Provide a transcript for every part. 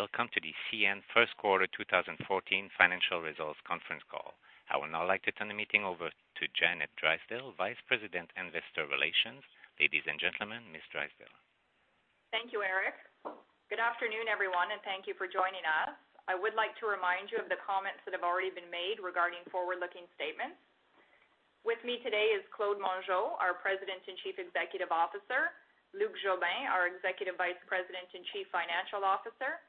Welcome to the CN first quarter 2014 financial results conference call. I would now like to turn the meeting over to Janet Drysdale, Vice President, Investor Relations. Ladies and gentlemen, Ms. Drysdale. Thank you, Eric. Good afternoon, everyone, and thank you for joining us. I would like to remind you of the comments that have already been made regarding forward-looking statements. With me today is Claude Mongeau, our President and Chief Executive Officer. Luc Jobin, our Executive Vice President and Chief Financial Officer.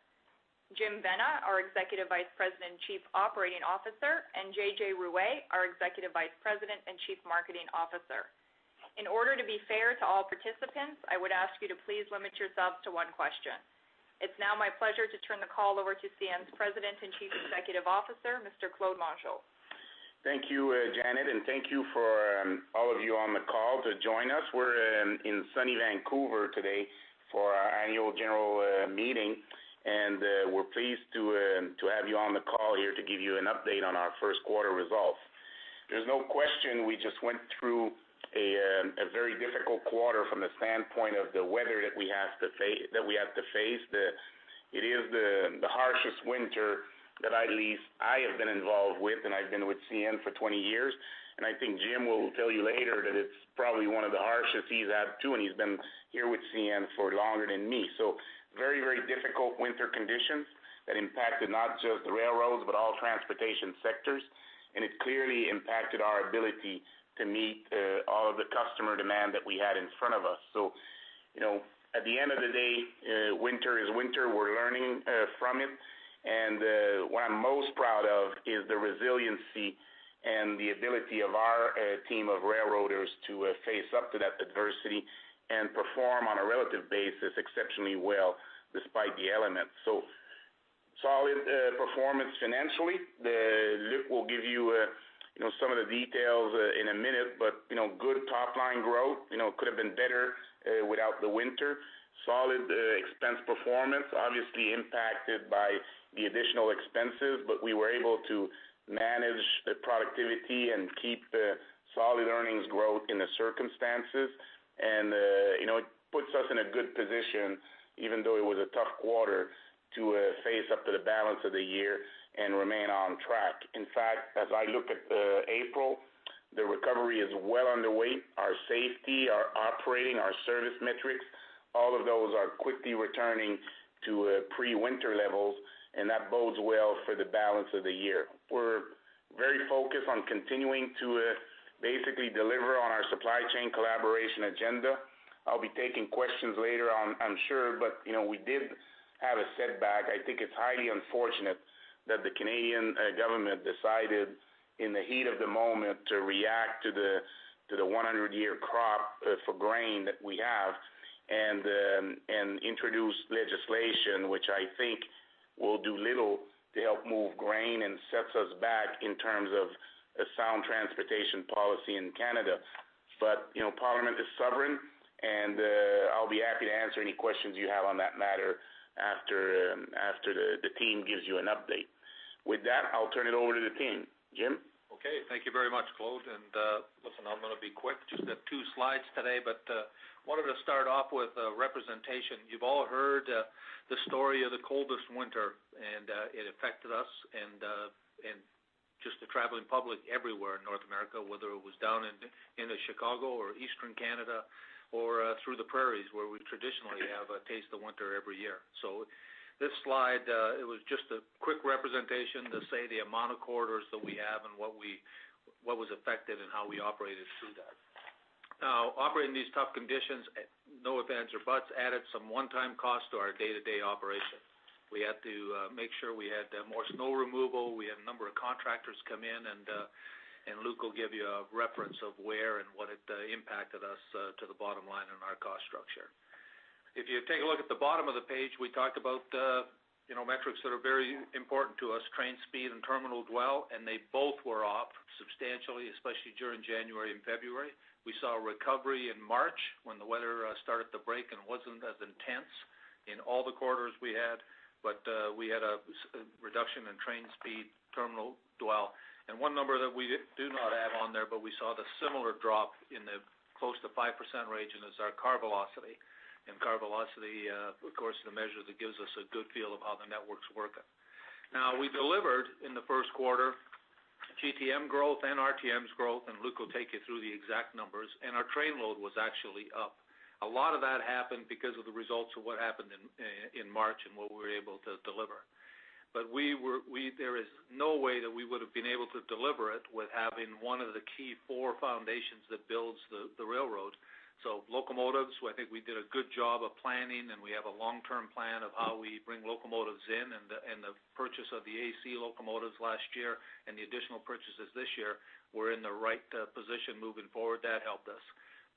Jim Vena, our Executive Vice President and Chief Operating Officer. And JJ Ruest, our Executive Vice President and Chief Marketing Officer. In order to be fair to all participants, I would ask you to please limit yourselves to one question. It's now my pleasure to turn the call over to CN's President and Chief Executive Officer, Mr. Claude Mongeau. Thank you, Janet, and thank you for all of you on the call to join us. We're in sunny Vancouver today for our annual general meeting, and we're pleased to have you on the call here to give you an update on our first quarter results. There's no question we just went through a very difficult quarter from the standpoint of the weather that we have to face, that we have to face. It is the harshest winter that at least I have been involved with, and I've been with CN for 20 years. And I think Jim will tell you later that it's probably one of the harshest he's had, too, and he's been here with CN for longer than me. So very, very difficult winter conditions that impacted not just the railroads, but all transportation sectors. And it clearly impacted our ability to meet all of the customer demand that we had in front of us. So you know, at the end of the day, winter is winter. We're learning from it. And what I'm most proud of is the resiliency and the ability of our team of railroaders to face up to that adversity and perform on a relative basis exceptionally well, despite the elements. So solid performance financially. Luc will give you a, you know, some of the details in a minute, but you know, good top-line growth. You know, could have been better without the winter. Solid expense performance, obviously impacted by the additional expenses, but we were able to manage the productivity and keep solid earnings growth in the circumstances. You know, it puts us in a good position, even though it was a tough quarter, to face up to the balance of the year and remain on track. In fact, as I look at April, the recovery is well underway. Our safety, our operating, our service metrics, all of those are quickly returning to pre-winter levels, and that bodes well for the balance of the year. We're very focused on continuing to basically deliver on our supply chain collaboration agenda. I'll be taking questions later on, I'm sure, but you know, we did have a setback. I think it's highly unfortunate that the Canadian government decided in the heat of the moment to react to the 100-year crop for grain that we have, and introduce legislation, which I think will do little to help move grain and sets us back in terms of a sound transportation policy in Canada. But, you know, Parliament is sovereign, and, I'll be happy to answer any questions you have on that matter after the team gives you an update. With that, I'll turn it over to the team. Jim? Okay. Thank you very much, Claude, and, listen, I'm gonna be quick. Just got two slides today, but, wanted to start off with a representation. You've all heard, the story of the coldest winter, and, it affected us and, and just the traveling public everywhere in North America, whether it was down in Chicago or Eastern Canada or, through the prairies, where we traditionally have a taste of winter every year. So this slide, it was just a quick representation to say the amount of corridors that we have and what was affected and how we operated through that. Now, operating these tough conditions, no ifs, ands, or buts, added some one-time cost to our day-to-day operation. We had to, make sure we had, more snow removal. We had a number of contractors come in, and, and Luc will give you a reference of where and what it impacted us to the bottom line in our cost structure. If you take a look at the bottom of the page, we talked about the, you know, metrics that are very important to us, train speed and terminal dwell, and they both were off substantially, especially during January and February. We saw a recovery in March when the weather started to break and wasn't as intense in all the corridors we had, but we had a reduction in train speed, terminal dwell. And one number that we did do not have on there, but we saw the similar drop in the close to 5% range, and it's our car velocity. Car velocity, of course, is a measure that gives us a good feel of how the network's working. Now, we delivered in the first quarter, GTM growth and RTMs growth, and Luc will take you through the exact numbers, and our train load was actually up. A lot of that happened because of the results of what happened in March and what we were able to deliver. But there is no way that we would have been able to deliver it with having one of the key four foundations that builds the railroad. So locomotives, I think we did a good job of planning, and we have a long-term plan of how we bring locomotives in, and the purchase of the AC locomotives last year and the additional purchases this year, we're in the right position moving forward. That helped us.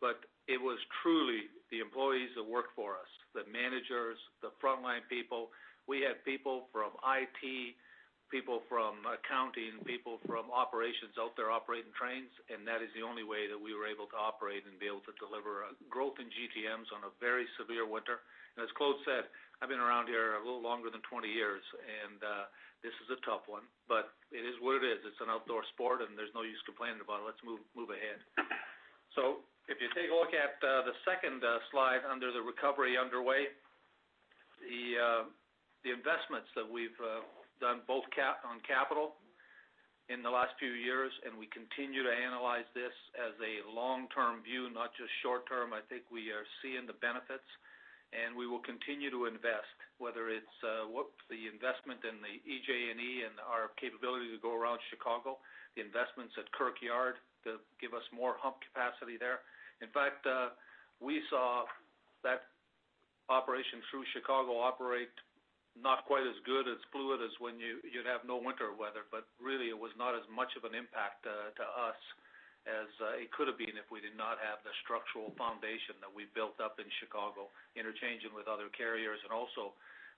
But it was truly the employees that work for us, the managers, the frontline people. We had people from IT, people from accounting, people from operations out there operating trains, and that is the only way that we were able to operate and be able to deliver a growth in GTMs on a very severe winter. And as Claude said, I've been around here a little longer than 20 years. A tough one, but it is what it is. It's an outdoor sport, and there's no use complaining about it. Let's move, move ahead. So if you take a look at the second slide under the recovery underway, the investments that we've done both on capital in the last few years, and we continue to analyze this as a long-term view, not just short-term, I think we are seeing the benefits, and we will continue to invest, whether it's loop, the investment in the EJ&E, and our capability to go around Chicago, the investments at Kirk Yard to give us more hump capacity there. In fact, we saw that operation through Chicago operate not quite as good, as fluid as when you'd have no winter weather. But really, it was not as much of an impact to us as it could have been if we did not have the structural foundation that we built up in Chicago, interchanging with other carriers, and also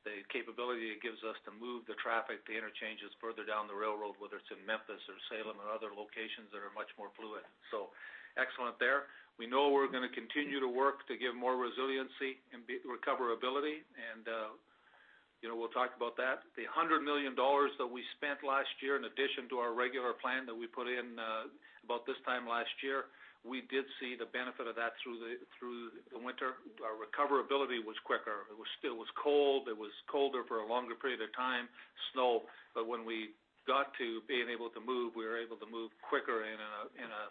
the capability it gives us to move the traffic, the interchanges further down the railroad, whether it's in Memphis or Salem or other locations that are much more fluid. So excellent there. We know we're gonna continue to work to give more resiliency and be recoverability, and, you know, we'll talk about that. The 100 million dollars that we spent last year in addition to our regular plan that we put in, about this time last year, we did see the benefit of that through the winter. Our recoverability was quicker. It was still, it was cold. It was colder for a longer period of time, snow. But when we got to being able to move, we were able to move quicker in a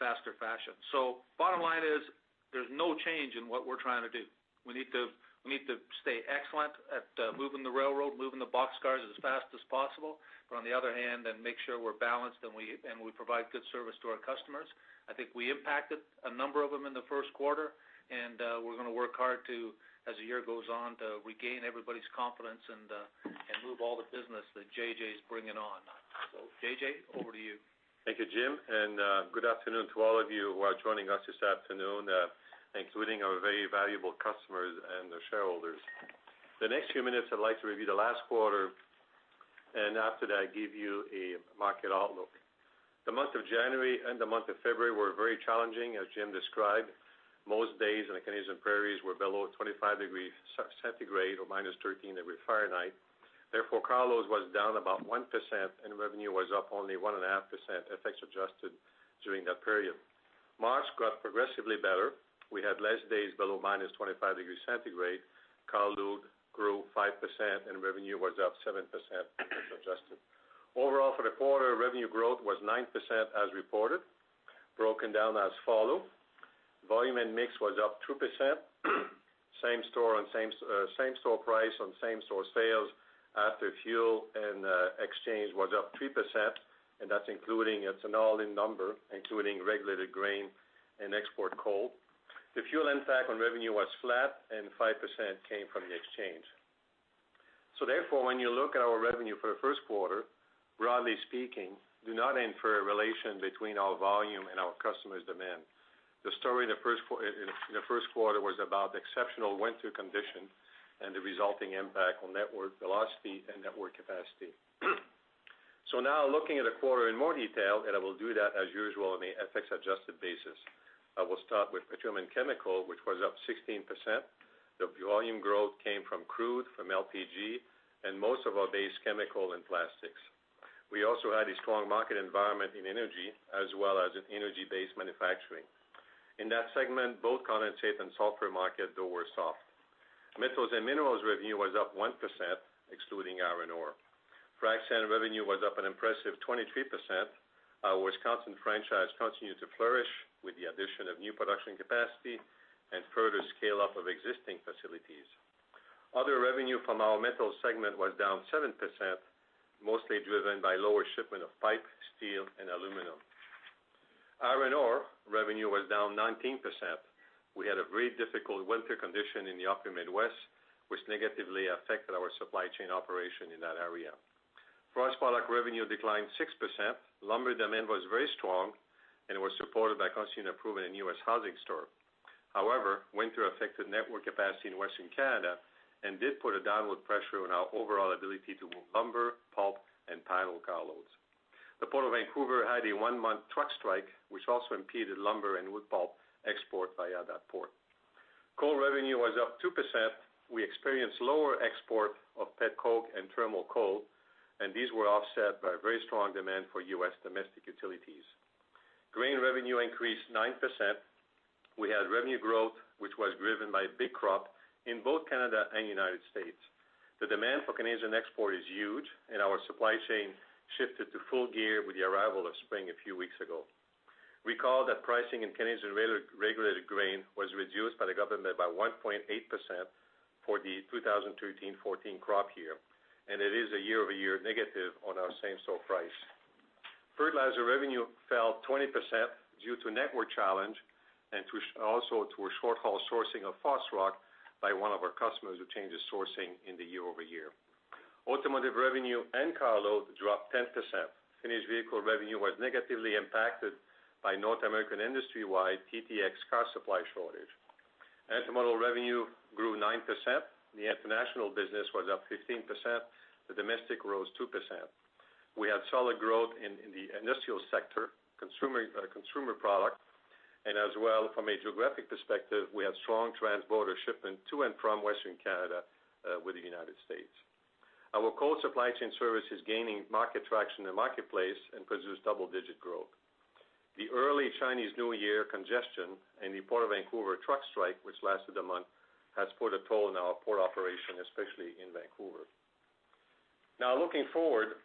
faster fashion. So bottom line is, there's no change in what we're trying to do. We need to stay excellent at moving the railroad, moving the boxcars as fast as possible, but on the other hand, make sure we're balanced, and provide good service to our customers. I think we impacted a number of them in the first quarter, and we're gonna work hard to, as the year goes on, to regain everybody's confidence and move all the business that JJ is bringing on. So, JJ, over to you. Thank you, Jim, and, good afternoon to all of you who are joining us this afternoon, including our very valuable customers and their shareholders. The next few minutes, I'd like to review the last quarter, and after that, give you a market outlook. The month of January and the month of February were very challenging, as Jim described. Most days in the Canadian Prairies were below 25 degrees centigrade or minus 13 degrees Fahrenheit. Therefore, car loads was down about 1%, and revenue was up only 1.5%, FX adjusted during that period. March got progressively better. We had less days below minus 25 degrees centigrade. Car load grew 5%, and revenue was up 7% FX adjusted. Overall, for the quarter, revenue growth was 9% as reported, broken down as follow: volume and mix was up 2%. Same store and same, same store price on same store sales after fuel and, exchange was up 3%, and that's including, it's an all-in number, including regulated grain and export coal. The fuel impact on revenue was flat, and 5% came from the exchange. So therefore, when you look at our revenue for the first quarter, broadly speaking, do not infer a relation between our volume and our customers' demand. The story in the first quarter was about the exceptional winter condition and the resulting impact on network velocity and network capacity. So now looking at the quarter in more detail, and I will do that, as usual, on the FX adjusted basis. I will start with Petroleum and Chemical, which was up 16%. The volume growth came from crude, from LPG, and most of our base chemical and plastics. We also had a strong market environment in energy, as well as in energy-based manufacturing. In that segment, both condensate and sulfur markets though, were soft. Metals and Minerals revenue was up 1%, excluding iron ore. Frac Sand revenue was up an impressive 23%. Our Wisconsin franchise continued to flourish with the addition of new production capacity and further scale-up of existing facilities. Other revenue from our metals segment was down 7%, mostly driven by lower shipment of pipe, steel, and aluminum. Iron ore revenue was down 19%. We had a very difficult winter condition in the Upper Midwest, which negatively affected our supply chain operation in that area. Forest Products revenue declined 6%. Lumber demand was very strong and was supported by continued improvement in U.S. housing starts. However, winter affected network capacity in Western Canada and did put a downward pressure on our overall ability to move lumber, pulp, and paper car loads. The Port of Vancouver had a one-month truck strike, which also impeded lumber and wood pulp export via that port. Coal revenue was up 2%. We experienced lower export of pet coke and thermal coal, and these were offset by very strong demand for U.S. domestic utilities. Grain revenue increased 9%. We had revenue growth, which was driven by big crop in both Canada and United States. The demand for Canadian export is huge, and our supply chain shifted to full gear with the arrival of spring a few weeks ago. Recall that pricing in Canadian regulated grain was reduced by the government by 1.8% for the 2013/2014 crop year, and it is a year-over-year negative on our same-store price. Fertilizer revenue fell 20% due to network challenge and also to a short-haul sourcing of phosphate by one of our customers who changed his sourcing in the year-over-year. Automotive revenue and car load dropped 10%. Finished vehicle revenue was negatively impacted by North American industry-wide TTX car supply shortage. Intermodal revenue grew 9%. The international business was up 15%, the domestic rose 2%. We had solid growth in the industrial sector, consumer products, and as well, from a geographic perspective, we had strong transborder shipment to and from Western Canada with the United States. Our cold supply chain service is gaining market traction in the marketplace and produces double-digit growth. The early Chinese New Year congestion and the Port of Vancouver truck strike, which lasted a month, has put a toll on our port operation, especially in Vancouver. Now, looking forward,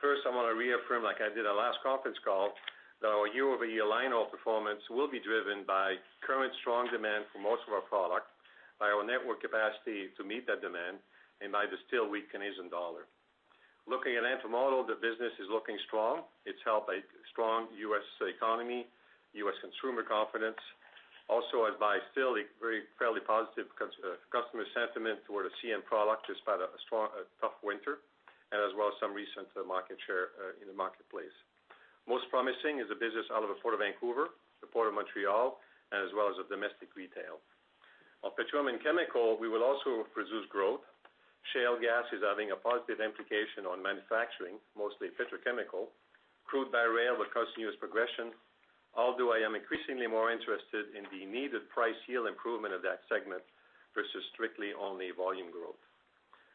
first, I wanna reaffirm, like I did at last conference call, that our year-over-year line of performance will be driven by current strong demand for most of our product, by our network capacity to meet that demand, and by the still weak Canadian Dollar. Looking at Intermodal, the business is looking strong. It's helped by strong U.S. economy, U.S. consumer confidence, also advised by still a very fairly positive customer sentiment toward a CN product, despite a strong, tough winter and as well as some recent market share in the marketplace. Most promising is the business out of the Port of Vancouver, the Port of Montreal, and as well as the domestic retail. On Petroleum and Chemical, we will also produce growth. Shale gas is having a positive implication on manufacturing, mostly petrochemical. Crude by rail will continue its progression, although I am increasingly more interested in the needed price yield improvement of that segment versus strictly only volume growth.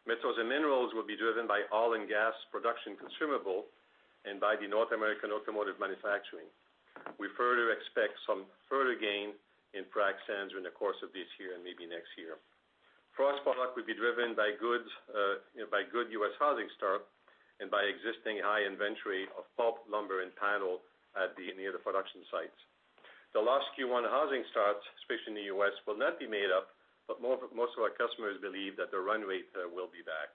Metals and Minerals will be driven by oil and gas production consumable and by the North American automotive manufacturing. We further expect some further gain in Frac Sands during the course of this year and maybe next year. Forest Product will be driven by good, by good U.S. housing start and by existing high inventory of pulp, lumber, and paper at the, near the production sites. The last Q1 housing starts, especially in the U.S., will not be made up, but most, most of our customers believe that the run rate will be back.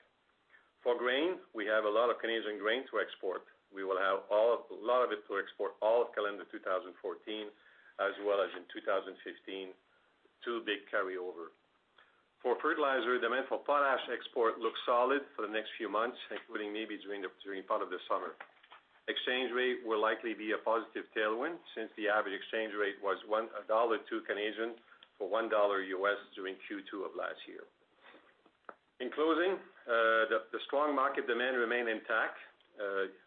For grain, we have a lot of Canadian grain to export. We will have a lot of it to export all of calendar 2014, as well as in 2015, two big carryover. For fertilizer, demand for potash export looks solid for the next few months, including maybe during part of the summer. Exchange rate will likely be a positive tailwind since the average exchange rate was 1.02 Canadian dollars for $1 during Q2 of last year. In closing, the strong market demand remain intact.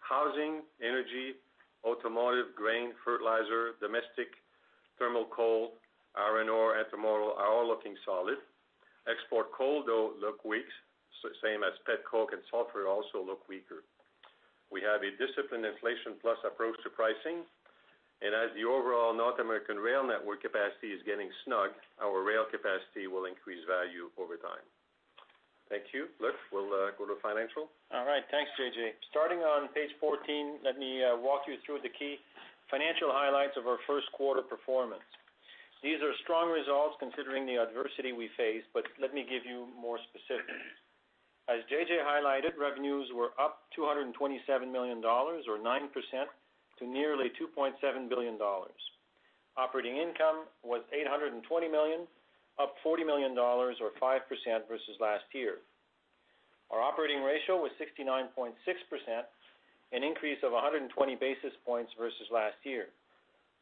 Housing, energy, automotive, grain, fertilizer, domestic, thermal coal, iron ore, and anthracite are all looking solid. Export coal, though, look weak, same as pet coke and sulfur also look weaker. We have a disciplined inflation-plus approach to pricing, and as the overall North American rail network capacity is getting snug, our rail capacity will increase value over time. Thank you. Luc, we'll go to financial. All right. Thanks, JJ. Starting on page 14, let me walk you through the key financial highlights of our first quarter performance. These are strong results considering the adversity we faced, but let me give you more specifics. As JJ highlighted, revenues were up 227 million dollars, or 9%, to nearly 2.7 billion dollars. Operating income was 820 million, up 40 million dollars, or 5%, versus last year. Our operating ratio was 69.6%, an increase of 120 basis points versus last year,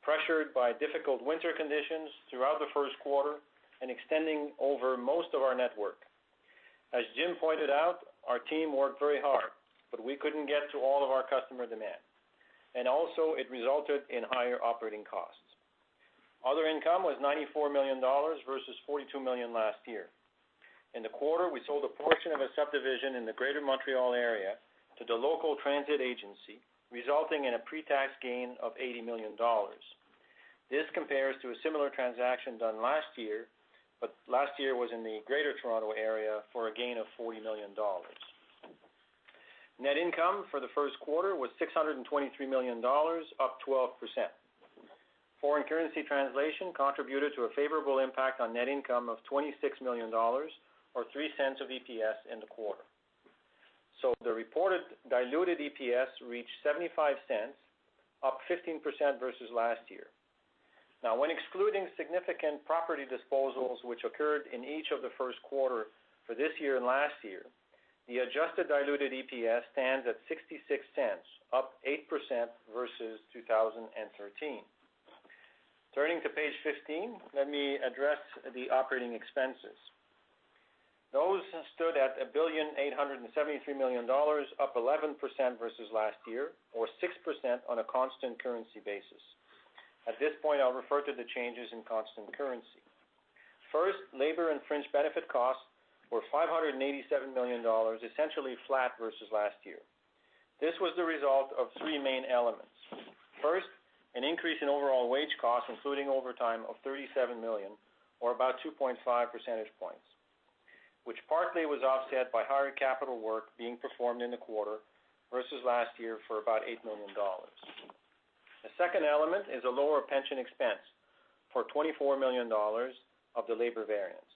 pressured by difficult winter conditions throughout the first quarter and extending over most of our network. As Jim pointed out, our team worked very hard, but we couldn't get to all of our customer demand, and also it resulted in higher operating costs. Other income was 94 million dollars versus 42 million last year. In the quarter, we sold a portion of a subdivision in the greater Montreal area to the local transit agency, resulting in a pre-tax gain of 80 million dollars. This compares to a similar transaction done last year, but last year was in the greater Toronto area for a gain of 40 million dollars. Net income for the first quarter was 623 million dollars, up 12%. Foreign currency translation contributed to a favorable impact on net income of 26 million dollars, or $0.03 of EPS in the quarter. So the reported diluted EPS reached $0.75, up 15% versus last year. Now, when excluding significant property disposals, which occurred in each of the first quarter for this year and last year, the adjusted diluted EPS stands at $0.66, up 8% versus 2013. Turning to page 15, let me address the operating expenses. Those stood at 1.873 billion, up 11% versus last year, or 6% on a constant currency basis. At this point, I'll refer to the changes in constant currency. First, labor and fringe benefit costs were 587 million dollars, essentially flat versus last year. This was the result of three main elements: First, an increase in overall wage costs, including overtime, of 37 million, or about 2.5 percentage points, which partly was offset by higher capital work being performed in the quarter versus last year for about 8 million dollars. The second element is a lower pension expense for 24 million dollars of the labor variance.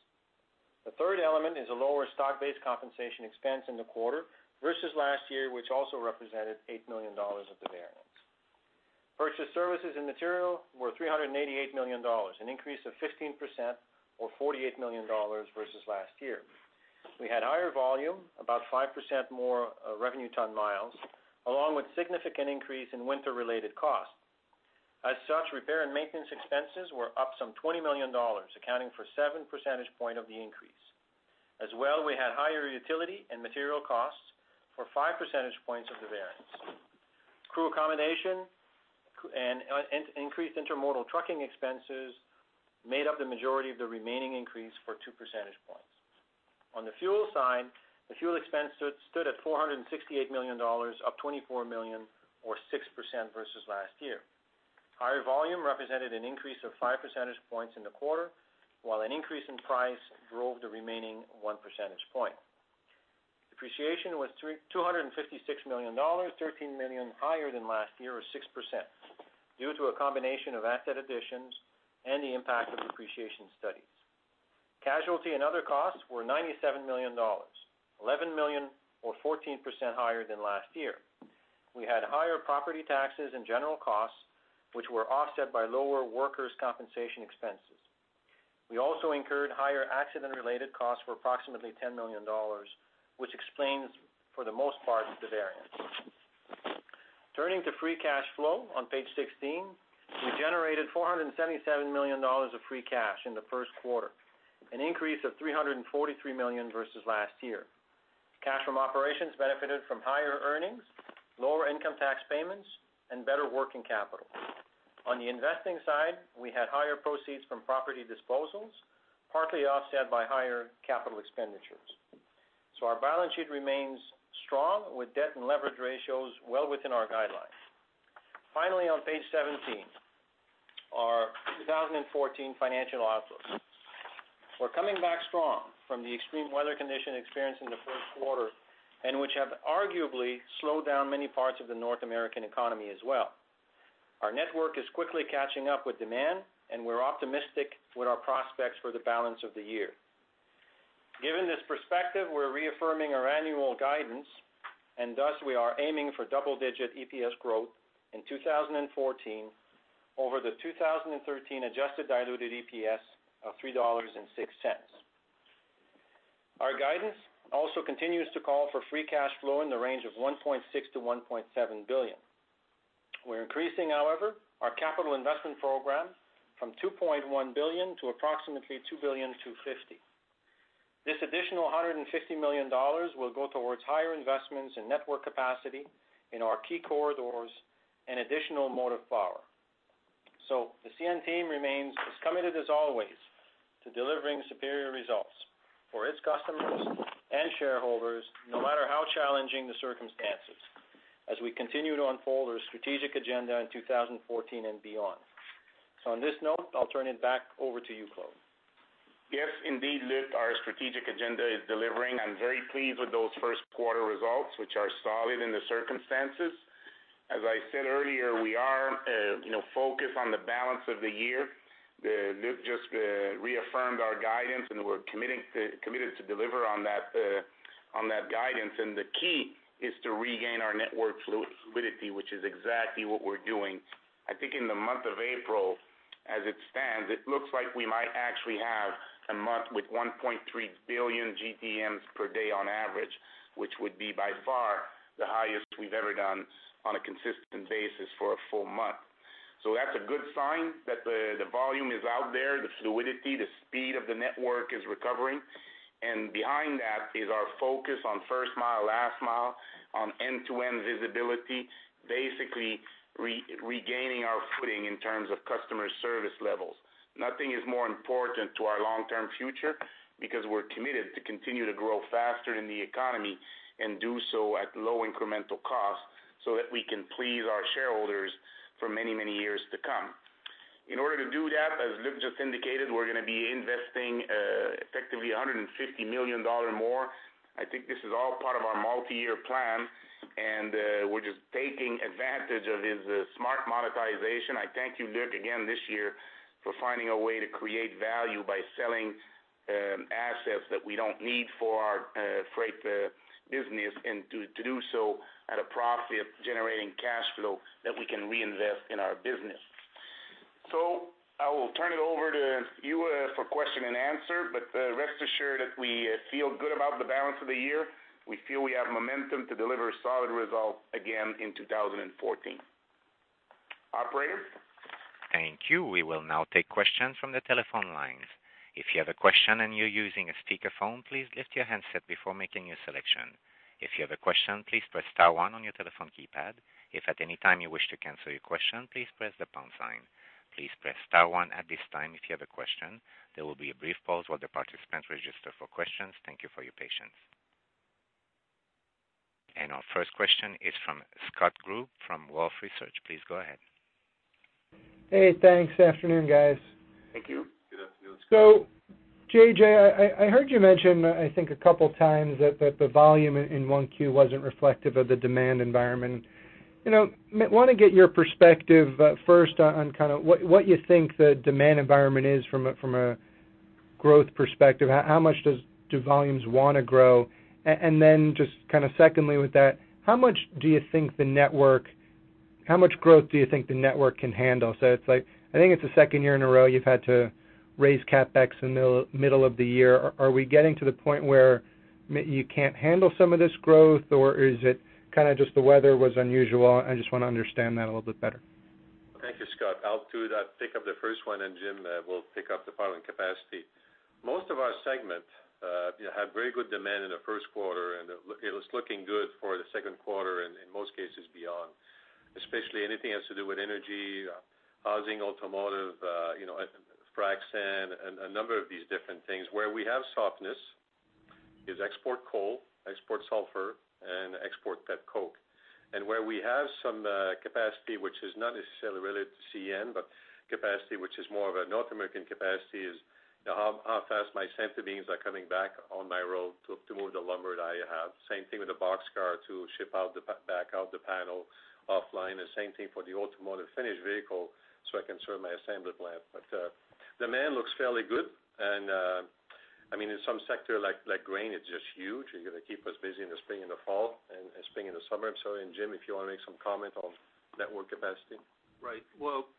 The third element is a lower stock-based compensation expense in the quarter versus last year, which also represented 8 million dollars of the variance. Purchased services and material were 388 million dollars, an increase of 15%, or 48 million dollars versus last year. We had higher volume, about 5% more, revenue ton miles, along with significant increase in winter-related costs. As such, repair and maintenance expenses were up some 20 million dollars, accounting for 7 percentage points of the increase. As well, we had higher utility and material costs for five percentage points of the variance. Crew accommodation and increased intermodal trucking expenses made up the majority of the remaining increase for two percentage points. On the fuel side, the fuel expense stood at 468 million dollars, up 24 million or 6% versus last year. Higher volume represented an increase of five percentage points in the quarter, while an increase in price drove the remaining one percentage point. Depreciation was 256 million dollars, 13 million higher than last year, or 6%, due to a combination of asset additions and the impact of depreciation studies. Casualty and other costs were 97 million dollars, 11 million or 14% higher than last year. We had higher property taxes and general costs, which were offset by lower workers' compensation expenses. We also incurred higher accident-related costs for approximately 10 million dollars, which explains, for the most part, the variance. Turning to free cash flow on page 16, we generated 477 million dollars of free cash in the first quarter, an increase of 343 million versus last year. Cash from operations benefited from higher earnings, lower income tax payments, and better working capital. On the investing side, we had higher proceeds from property disposals, partly offset by higher capital expenditures. So our balance sheet remains strong, with debt and leverage ratios well within our guidelines. Finally, on page 17, our 2014 financial outlook. We're coming back strong from the extreme weather condition experienced in the first quarter, and which have arguably slowed down many parts of the North American economy as well. Our network is quickly catching up with demand, and we're optimistic with our prospects for the balance of the year. Given this perspective, we're reaffirming our annual guidance, and thus we are aiming for double-digit EPS growth in 2014 over the 2013 adjusted diluted EPS of $3.06. Our guidance also continues to call for free cash flow in the range of 1.6 billion-1.7 billion. We're increasing, however, our capital investment program from 2.1 billion to approximately 2.250 billion. This additional 150 million dollars will go towards higher investments in network capacity in our key corridors and additional motive power. So the CN team remains as committed as always to delivering superior results for its customers and shareholders, no matter how challenging the circumstances, as we continue to unfold our strategic agenda in 2014 and beyond. On this note, I'll turn it back over to you, Claude. Yes, indeed, Luc, our strategic agenda is delivering. I'm very pleased with those first quarter results, which are solid in the circumstances. As I said earlier, we are, you know, focused on the balance of the year. The, Luc just, reaffirmed our guidance, and we're committing to—committed to deliver on that, on that guidance. And the key is to regain our network fluidity, which is exactly what we're doing. I think in the month of April, as it stands, it looks like we might actually have a month with 1.3 billion GTMs per day on average, which would be by far the highest we've ever done on a consistent basis for a full month. So that's a good sign that the, the volume is out there, the fluidity, the speed of the network is recovering. And behind that is our focus on first mile, last mile, on end-to-end visibility, basically re-regaining our footing in terms of customer service levels. Nothing is more important to our long-term future because we're committed to continue to grow faster than the economy and do so at low incremental cost, so that we can please our shareholders for many, many years to come. In order to do that, as Luc just indicated, we're gonna be investing, effectively 150 million dollar more. I think this is all part of our multiyear plan, and, we're just taking advantage of this smart monetization. I thank you, Luc, again this year for finding a way to create value by selling assets that we don't need for our freight business, and to do so at a profit, generating cash flow that we can reinvest in our business. So I will turn it over to you for question and answer, but rest assured that we feel good about the balance of the year. We feel we have momentum to deliver solid results again in 2014. Operator? Thank you. We will now take questions from the telephone lines. If you have a question and you're using a speakerphone, please lift your handset before making your selection. If you have a question, please press star one on your telephone keypad. If at any time you wish to cancel your question, please press the pound sign. Please press star one at this time if you have a question. There will be a brief pause while the participants register for questions. Thank you for your patience. Our first question is from Scott Group from Wolfe Research. Please go ahead. Hey, thanks. Afternoon, guys. Thank you. Good afternoon, Scott. So JJ, I heard you mention, I think, a couple times that the volume in 1Q wasn't reflective of the demand environment. You know, wanna get your perspective, first on kinda what you think the demand environment is from a growth perspective. How much do volumes wanna grow? And then just kinda secondly with that, how much growth do you think the network can handle? So it's like, I think it's the second year in a row you've had to raise CapEx in the middle of the year. Are we getting to the point where you can't handle some of this growth, or is it kinda just the weather was unusual? I just wanna understand that a little bit better. Thank you, Scott. I'll do that, pick up the first one, and Jim will pick up the following capacity. Most of our segment had very good demand in the first quarter, and it was looking good for the second quarter, and in most cases beyond, especially anything has to do with energy, housing, automotive, you know, frac sand, and a number of these different things. Where we have softness is export coal, export sulfur, and export pet coke. And where we have some capacity, which is not necessarily related to CN, but capacity, which is more of a North American capacity, is, you know, how fast my center beams are coming back on my road to move the lumber that I have. Same thing with the boxcar to ship out the paper out the panel offline, and same thing for the automotive finished vehicle, so I can serve my assembly plant. But demand looks fairly good. I mean, in some sector like, like grain, it's just huge. They're gonna keep us busy in the spring and the fall, and spring and the summer. So, Jim, if you wanna make some comment on network capacity. Right. Well,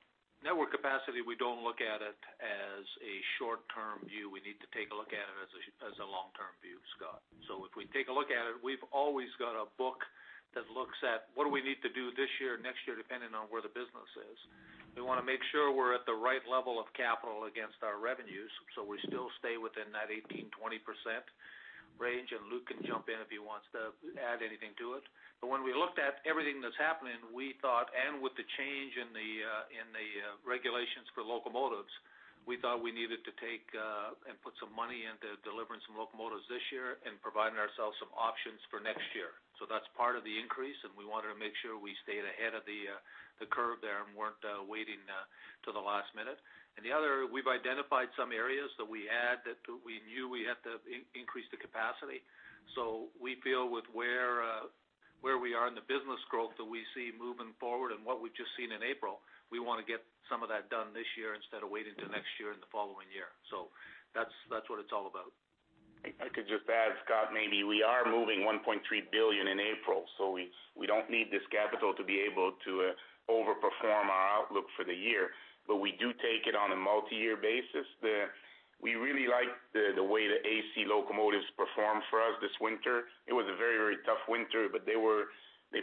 network capacity, we don't look at it as a short-term view. We need to take a look at it as a, as a long-term view, Scott. So if we take a look at it, we've always got a book that looks at what do we need to do this year or next year, depending on where the business is. We wanna make sure we're at the right level of capital against our revenues, so we still stay within that 18%-20% range, and Luc can jump in if he wants to add anything to it. But when we looked at everything that's happening, we thought, and with the change in the regulations for locomotives, we thought we needed to take and put some money into delivering some locomotives this year and providing ourselves some options for next year. So that's part of the increase, and we wanted to make sure we stayed ahead of the curve there and weren't waiting to the last minute. The other, we've identified some areas that we had, that we knew we had to increase the capacity. So we feel with where we are in the business growth that we see moving forward and what we've just seen in April, we wanna get some of that done this year instead of waiting till next year and the following year. So that's what it's all about. If I could just add, Scott, maybe we are moving 1.3 billion in April, so we, we don't need this capital to be able to overperform our outlook for the year. But we do take it on a multiyear basis. We really like the way the AC locomotives performed for us this winter. It was a very, very tough winter, but they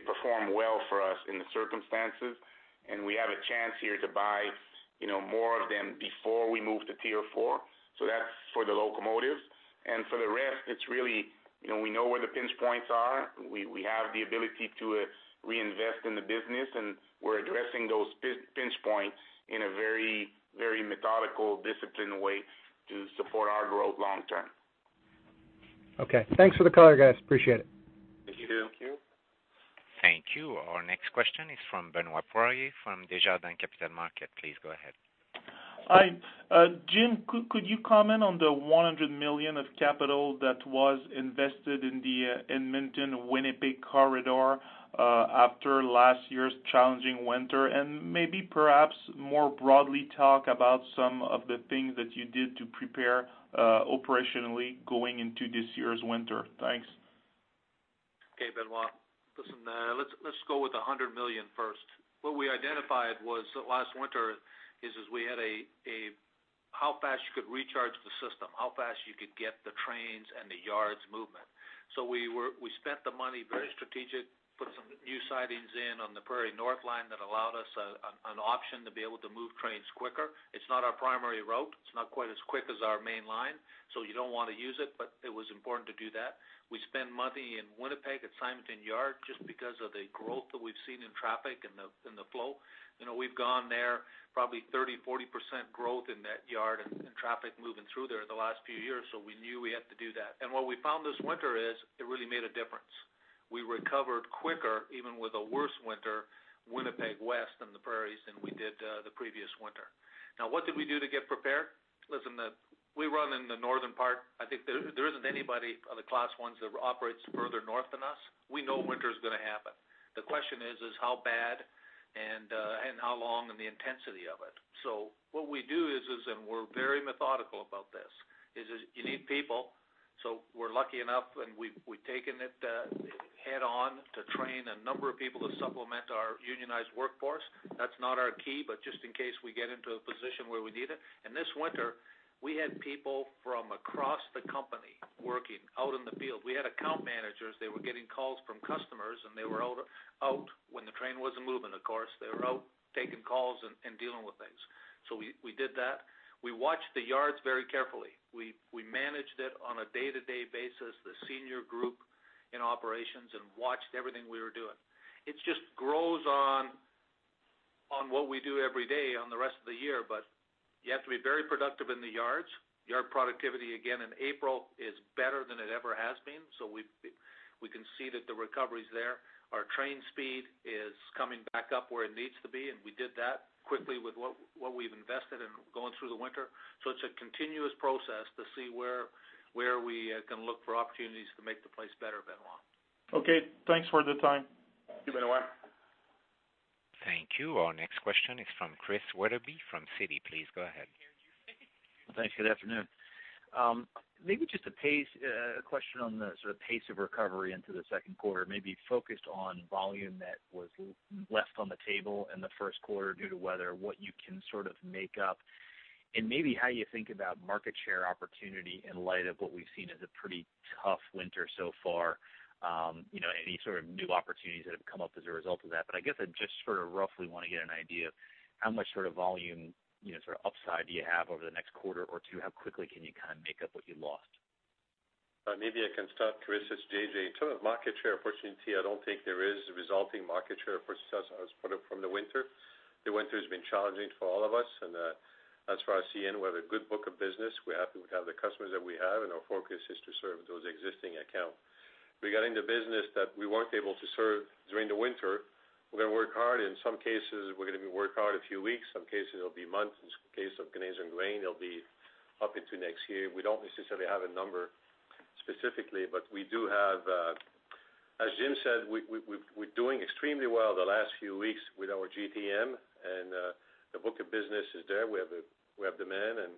performed well for us in the circumstances, and we have a chance here to buy, you know, more of them before we move to Tier 4. So that's for the locomotives. And for the rest, it's really, you know, we know where the pinch points are. We have the ability to reinvest in the business, and we're addressing those pinch points in a very, very methodical, disciplined way to support our growth long term. Okay. Thanks for the color, guys. Appreciate it. Thank you. Thank you. Our next question is from Benoit Poirier, from Desjardins Capital Markets. Please go ahead. Hi. Jim, could you comment on the 100 million of capital that was invested in the Edmonton-Winnipeg corridor after last year's challenging winter? Maybe perhaps more broadly, talk about some of the things that you did to prepare operationally going into this year's winter. Thanks. Okay, Benoit. Listen, let's go with the 100 million first. What we identified was that last winter we had how fast you could recharge the system, how fast you could get the trains and the yards movement. We spent the money, very strategic, put some new sidings in on the Prairie North Line that allowed us an option to be able to move trains quicker. It's not our primary route. It's not quite as quick as our main line, so you don't want to use it, but it was important to do that. We spent money in Winnipeg, at Symington Yard, just because of the growth that we've seen in traffic and the flow. You know, we've gone there probably 30%-40% growth in that yard and traffic moving through there in the last few years, so we knew we had to do that. And what we found this winter is, it really made a difference. We recovered quicker, even with a worse winter, Winnipeg West and the Prairies, than we did the previous winter. Now, what did we do to get prepared? Listen, we run in the northern part. I think there isn't anybody on the Class 1s that operates further north than us. We know winter is gonna happen. The question is how bad and how long and the intensity of it. So what we do is and we're very methodical about this, is you need people. So we're lucky enough, and we've taken it head on to train a number of people to supplement our unionized workforce. That's not our key, but just in case we get into a position where we need it. This winter, we had people from across the company working out in the field. We had account managers, they were getting calls from customers, and they were out when the train wasn't moving, of course. They were out taking calls and dealing with things. We did that. We watched the yards very carefully. We managed it on a day-to-day basis, the senior group in operations, and watched everything we were doing. It just grows on what we do every day on the rest of the year, but you have to be very productive in the yards. Yard productivity, again, in April, is better than it ever has been, so we can see that the recovery's there. Our train speed is coming back up where it needs to be, and we did that quickly with what we've invested in going through the winter. So it's a continuous process to see where we can look for opportunities to make the place better, Benoit. Okay, thanks for the time. Thank you, Benoit. Thank you. Our next question is from Chris Wetherbee, from Citi. Please go ahead. Thanks. Good afternoon. Maybe just a pace, a question on the sort of pace of recovery into the second quarter, maybe focused on volume that was left on the table in the first quarter due to weather, what you can sort of make up.... and maybe how you think about market share opportunity in light of what we've seen as a pretty tough winter so far, you know, any sort of new opportunities that have come up as a result of that. But I guess I just sort of roughly want to get an idea of how much sort of volume, you know, sort of upside do you have over the next quarter or two? How quickly can you kind of make up what you lost? Maybe I can start, Chris, it's JJ. In terms of market share opportunity, I don't think there is a resulting market share for us, as put up from the winter. The winter has been challenging for all of us, and, as far as CN, we have a good book of business. We're happy to have the customers that we have, and our focus is to serve those existing accounts. Regarding the business that we weren't able to serve during the winter, we're gonna work hard. In some cases, we're gonna be work hard a few weeks, some cases it'll be months. In case of Canadian grain, it'll be up into next year. We don't necessarily have a number specifically, but we do have, as Jim said, we're doing extremely well the last few weeks with our GTM, and the book of business is there. We have demand, and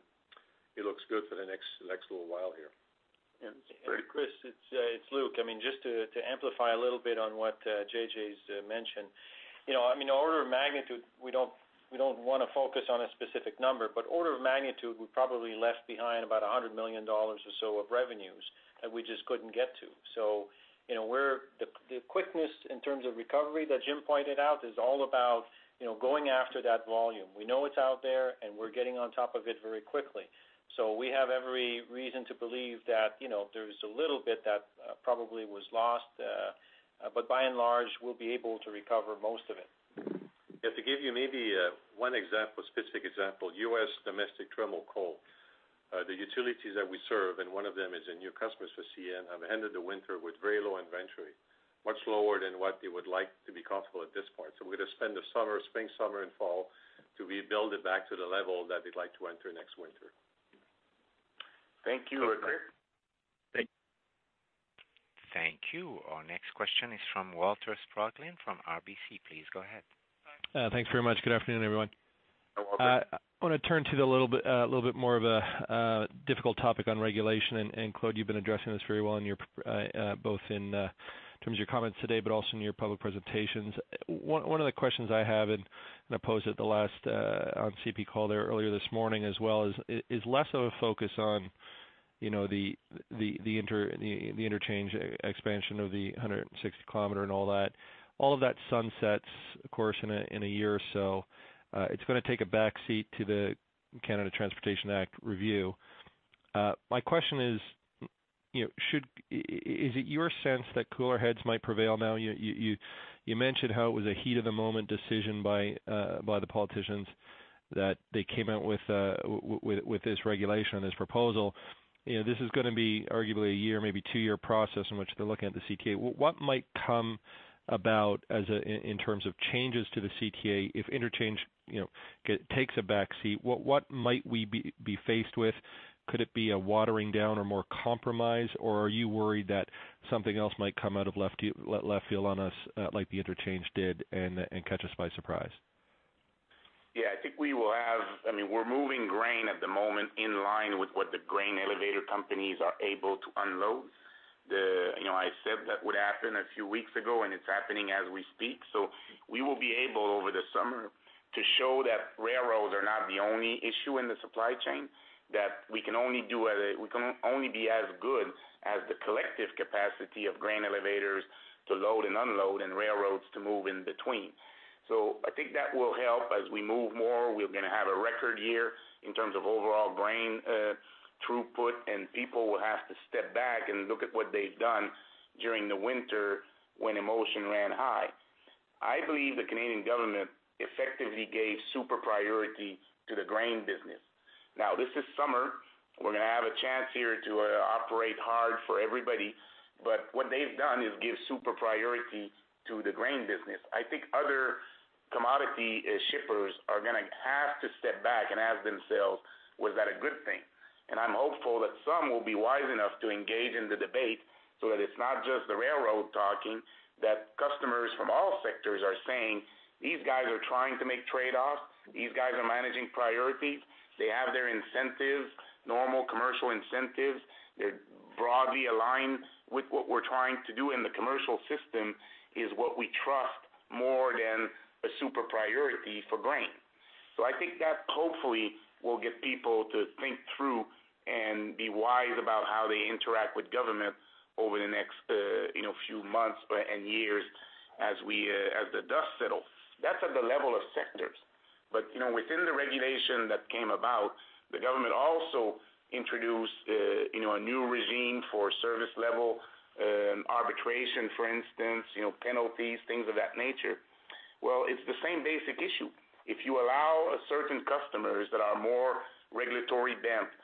it looks good for the next little while here. Chris, it's, it's Luc. I mean, just to amplify a little bit on what JJ's mentioned. You know, I mean, order of magnitude, we don't wanna focus on a specific number, but order of magnitude, we probably left behind about 100 million dollars or so of revenues that we just couldn't get to. So you know, we're, the quickness in terms of recovery that Jim pointed out is all about, you know, going after that volume. We know it's out there, and we're getting on top of it very quickly. So we have every reason to believe that, you know, there's a little bit that probably was lost, but by and large, we'll be able to recover most of it. Yeah, to give you maybe, one example, specific example, U.S. domestic thermal coal. The utilities that we serve, and one of them is a new customer for CN, have ended the winter with very low inventory, much lower than what they would like to be comfortable at this point. So we're gonna spend the spring, summer, and fall to rebuild it back to the level that they'd like to enter next winter. Thank you. Thank you. Our next question is from Walter Spracklin from RBC. Please go ahead. Thanks very much. Good afternoon, everyone. I wanna turn to a little bit more of a difficult topic on regulation, and, Claude, you've been addressing this very well in your both in terms of your comments today, but also in your public presentations. One of the questions I have, and I posed it last on the CP call there earlier this morning as well, is less of a focus on, you know, the interswitching expansion of the 160 km and all that. All of that sunsets, of course, in a year or so. It's gonna take a backseat to the Canada Transportation Act review. My question is, you know, should... Is it your sense that cooler heads might prevail now? You mentioned how it was a heat of the moment decision by, by the politicians, that they came out with, with this regulation and this proposal. You know, this is gonna be arguably a year, maybe two-year process in which they're looking at the CTA. What might come about as a, in, in terms of changes to the CTA if interchange, you know, takes a backseat? What might we be, be faced with? Could it be a watering down or more compromise, or are you worried that something else might come out of left field on us, uh, like the interchange did and catch us by surprise? Yeah, I think we will have... I mean, we're moving grain at the moment in line with what the grain elevator companies are able to unload. The, you know, I said that would happen a few weeks ago, and it's happening as we speak. So we will be able, over the summer, to show that railroads are not the only issue in the supply chain, that we can only be as good as the collective capacity of grain elevators to load and unload, and railroads to move in between. So I think that will help as we move more. We're gonna have a record year in terms of overall grain throughput, and people will have to step back and look at what they've done during the winter when emotion ran high. I believe the Canadian government effectively gave super priority to the grain business. Now, this is summer. We're gonna have a chance here to operate hard for everybody, but what they've done is give super priority to the grain business. I think other commodity, as shippers, are gonna have to step back and ask themselves: Was that a good thing? And I'm hopeful that some will be wise enough to engage in the debate so that it's not just the railroad talking, that customers from all sectors are saying, "These guys are trying to make trade-offs. These guys are managing priorities. They have their incentives, normal commercial incentives. They're broadly aligned with what we're trying to do in the commercial system, is what we trust more than a super priority for grain." So I think that hopefully will get people to think through and be wise about how they interact with government over the next, you know, few months but, and years as we, as the dust settles. That's at the level of sectors. But, you know, within the regulation that came about, the government also introduced, you know, a new regime for service level, arbitration, for instance, you know, penalties, things of that nature. Well, it's the same basic issue. If you allow certain customers that are more regulatory-dampened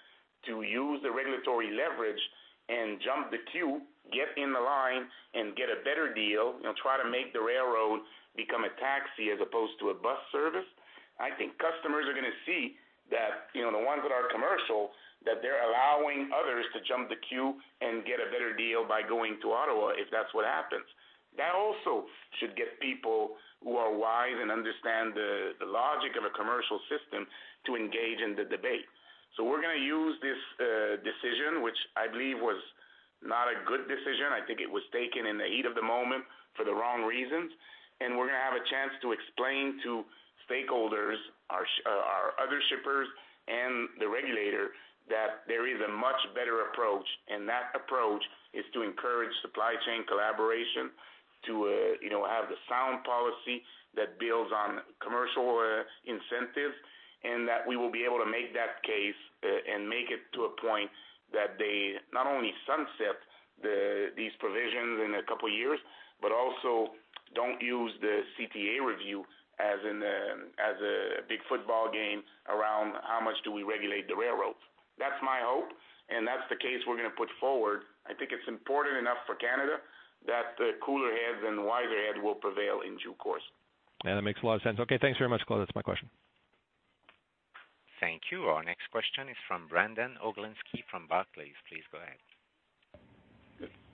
to use the regulatory leverage and jump the queue, get in the line, and get a better deal, and try to make the railroad become a taxi as opposed to a bus service, I think customers are gonna see that, you know, the ones that are commercial, that they're allowing others to jump the queue and get a better deal by going to Ottawa, if that's what happens. That also should get people who are wise and understand the logic of a commercial system to engage in the debate. So we're gonna use this decision, which I believe was not a good decision. I think it was taken in the heat of the moment for the wrong reasons, and we're gonna have a chance to explain to stakeholders, our other shippers and the regulator, that there is a much better approach. That approach is to encourage supply chain collaboration, to, you know, have the sound policy that builds on commercial incentives, and that we will be able to make that case, and make it to a point that they not only sunset these provisions in a couple of years, but also don't use the CTA review as a big football game around how much do we regulate the railroads. That's my hope, and that's the case we're gonna put forward. I think it's important enough for Canada that the cooler heads and wiser head will prevail in due course. Yeah, that makes a lot of sense. Okay, thanks very much, Claude. That's my question. Thank you. Our next question is from Brandon Oglenski from Barclays. Please go ahead.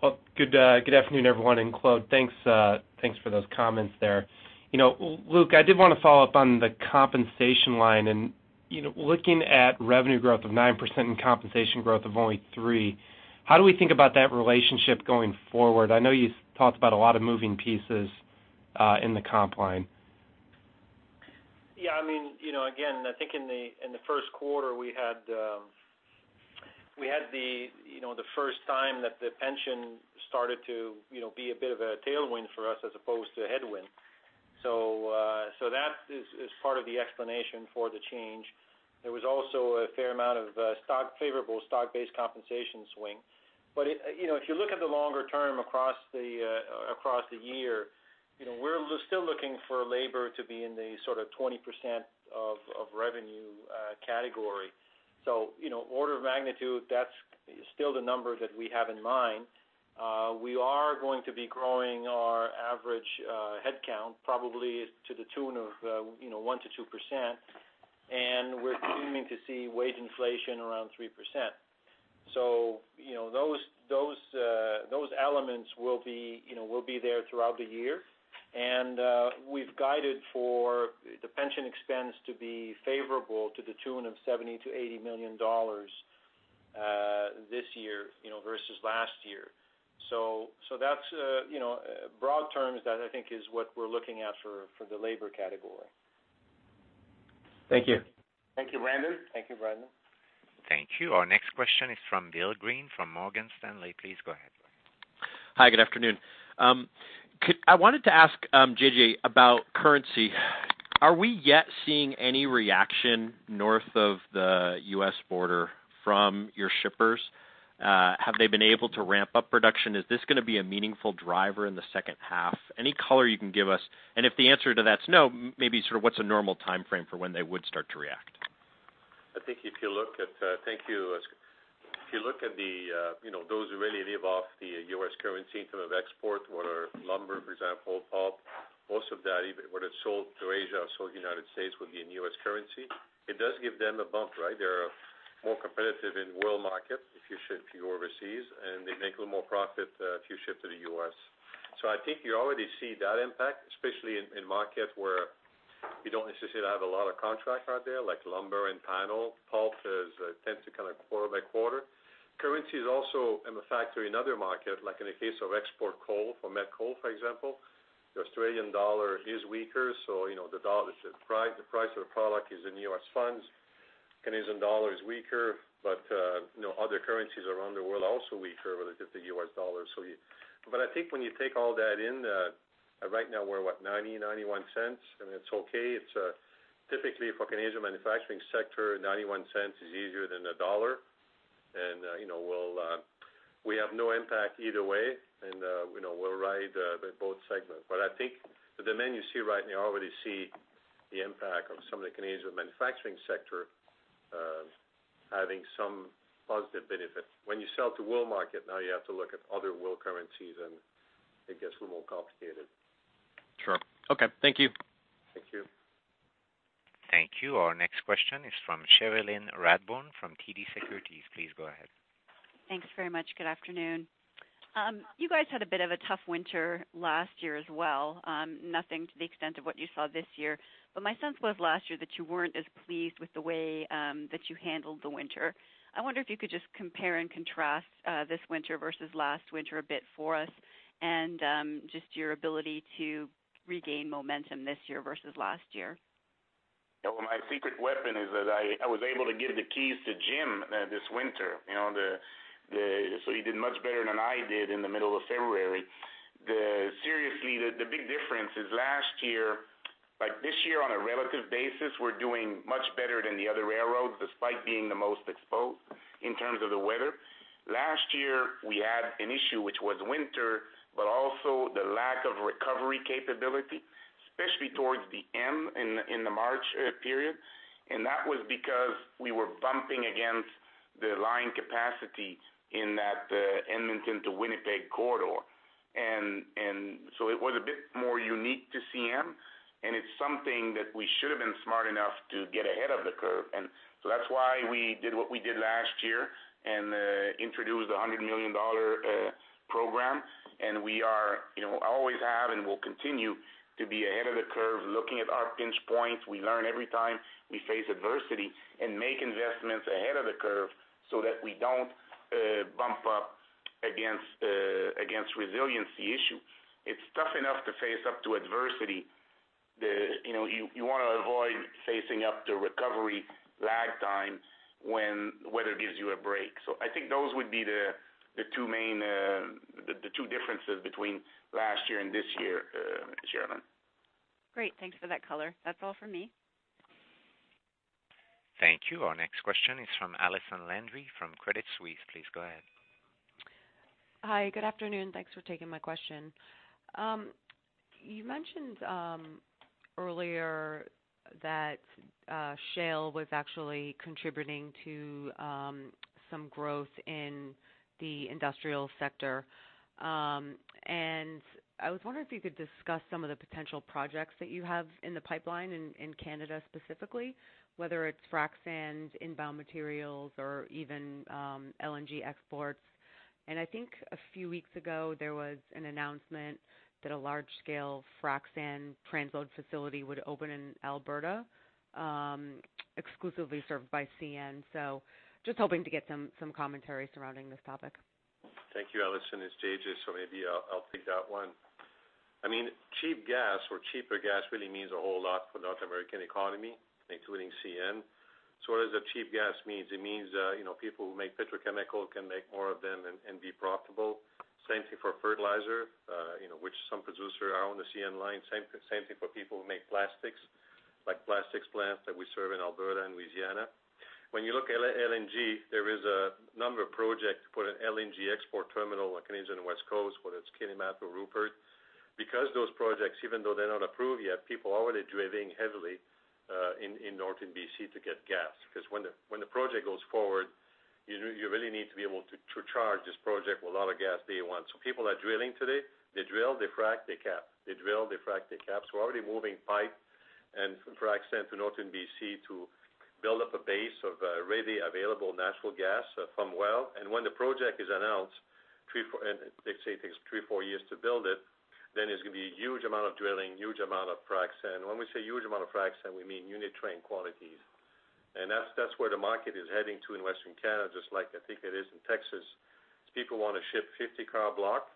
Well, good afternoon, everyone, and Claude, thanks for those comments there. You know, Luc, I did wanna follow up on the compensation line, and, you know, looking at revenue growth of 9% and compensation growth of only 3, how do we think about that relationship going forward? I know you've talked about a lot of moving pieces in the comp line. Yeah, I mean, you know, again, I think in the first quarter, we had the first time that the pension started to be a bit of a tailwind for us as opposed to a headwind. So, that is part of the explanation for the change. There was also a fair amount of favorable stock-based compensation swing. But it, you know, if you look at the longer term across the year, you know, we're still looking for labor to be in the sort of 20% of revenue category. So, you know, order of magnitude, that's still the number that we have in mind. We are going to be growing our average headcount, probably to the tune of, you know, 1%-2%, and we're continuing to see wage inflation around 3%. So, you know, those, those, those elements will be, you know, will be there throughout the year. And, we've guided for the pension expense to be favorable to the tune of 70 million-80 million dollars, this year, you know, versus last year. So, so that's, you know, broad terms, that I think is what we're looking at for, for the labor category. Thank you. Thank you, Brandon. Thank you, Brandon. Thank you. Our next question is from Bill Greene, from Morgan Stanley. Please go ahead. Hi, good afternoon. I wanted to ask, JJ, about currency. Are we yet seeing any reaction north of the U.S. border from your shippers? Have they been able to ramp up production? Is this gonna be a meaningful driver in the second half? Any color you can give us, and if the answer to that's no, maybe sort of what's a normal timeframe for when they would start to react? I think if you look at, thank you. If you look at the, you know, those who really live off the U.S. currency in terms of export, whether lumber, for example, pulp, most of that, even when it's sold to Asia or sold to United States, would be in U.S. currency. It does give them a bump, right? They are more competitive in world market if you ship, if you go overseas, and they make a little more profit, if you ship to the U.S. So I think you already see that impact, especially in, in markets where you don't necessarily have a lot of contracts out there, like lumber and panels. Pulp is, tends to kind of quarter by quarter. Currency is also a factor in other markets, like in the case of export coal, for met coal, for example. The Australian Dollar is weaker, so you know, the dollar, the price, the price of the product is in U.S. funds. Canadian Dollar is weaker, but, you know, other currencies around the world are also weaker relative to U.S. Dollar. But I think when you take all that in, right now we're what, $0.90-$0.91, and it's okay. It's, typically for Canadian manufacturing sector, $0.91 is easier than $1. And, you know, we'll, we have no impact either way, and, you know, we'll ride, the both segments. But I think the demand you see right now, you already see the impact of some of the Canadian manufacturing sector, having some positive benefit. When you sell to world market, now you have to look at other world currencies, and it gets a little more complicated. Sure. Okay. Thank you. Thank you. Thank you. Our next question is from Cherilyn Radbourne, from TD Securities. Please go ahead. Thanks very much. Good afternoon. You guys had a bit of a tough winter last year as well, nothing to the extent of what you saw this year. But my sense was last year that you weren't as pleased with the way that you handled the winter. I wonder if you could just compare and contrast this winter versus last winter a bit for us, and just your ability to regain momentum this year versus last year. Yeah, well, my secret weapon is that I was able to give the keys to Jim this winter. You know, so he did much better than I did in the middle of February. The... Seriously, the big difference is last year, like this year, on a relative basis, we're doing much better than the other railroads, despite being the most exposed in terms of the weather. Last year, we had an issue, which was winter, but also the lack of recovery capability, especially towards the end in the March period. And that was because we were bumping against the line capacity in that Edmonton to Winnipeg corridor. And so it was a bit more unique to CN, and it's something that we should have been smart enough to get ahead of the curve, and so that's why we did what ...last year and introduced a 100 million dollar program. And we are, you know, always have and will continue to be ahead of the curve, looking at our pinch points. We learn every time we face adversity and make investments ahead of the curve so that we don't bump up against against resiliency issue. It's tough enough to face up to adversity. The, you know, you, you wanna avoid facing up to recovery lag time when weather gives you a break. So I think those would be the, the two main, the, the two differences between last year and this year, Cherilyn. Great, thanks for that color. That's all for me. Thank you. Our next question is from Allison Landry from Credit Suisse. Please go ahead. Hi, good afternoon. Thanks for taking my question. You mentioned earlier that shale was actually contributing to some growth in the industrial sector. I was wondering if you could discuss some of the potential projects that you have in the pipeline in Canada, specifically, whether it's frac sand, inbound materials, or even LNG exports. I think a few weeks ago, there was an announcement that a large-scale frac sand transload facility would open in Alberta, exclusively served by CN. So just hoping to get some commentary surrounding this topic. Thank you, Allison. It's JJ, so maybe I'll, I'll take that one. I mean, cheap gas or cheaper gas really means a whole lot for the North American economy, including CN. So what does the cheap gas means? It means, you know, people who make petrochemical can make more of them and, and be profitable. Same thing for fertilizer, you know, which some producer are on the CN line. Same, same thing for people who make plastics, like plastics plants that we serve in Alberta and Louisiana. When you look at LNG, there is a number of projects for an LNG export terminal, like on the West Coast, whether it's Kitimat or Rupert. Because those projects, even though they're not approved yet, people are already drilling heavily in Northern BC to get gas. Because when the project goes forward, you really need to be able to charge this project with a lot of gas day one. So people are drilling today. They drill, they frack, they cap. They drill, they frack, they cap. So we're already moving pipe and frac sand to northern BC to build up a base of readily available natural gas from well. And when the project is announced, 3, 4... And let's say it takes 3, 4 years to build it, then there's gonna be a huge amount of drilling, huge amount of frac sand. When we say huge amount of frac sand, we mean unit train quantities. And that's where the market is heading to in Western Canada, just like I think it is in Texas. People wanna ship 50-car block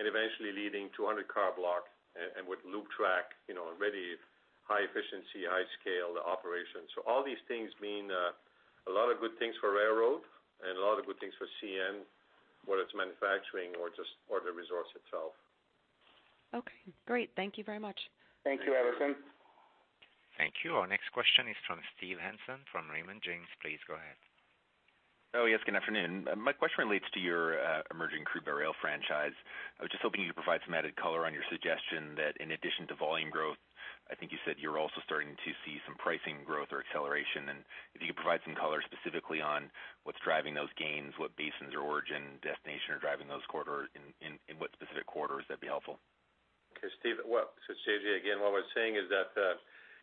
and eventually leading to a 100-car block and, and with loop track, you know, already high efficiency, high scale operations. So all these things mean a lot of good things for railroad and a lot of good things for CN, whether it's manufacturing or just, or the resource itself. Okay, great. Thank you very much. Thank you, Allison. Thank you. Our next question is from Steve Hansen, from Raymond James. Please go ahead. Oh, yes, good afternoon. My question relates to your emerging crude barrel franchise. I was just hoping you could provide some added color on your suggestion that in addition to volume growth, I think you said you're also starting to see some pricing growth or acceleration. And if you could provide some color specifically on what's driving those gains, what basins or origin, destination are driving those quarters, in what specific quarters, that'd be helpful. Okay, Steve. Well, it's JJ again. What I was saying is that,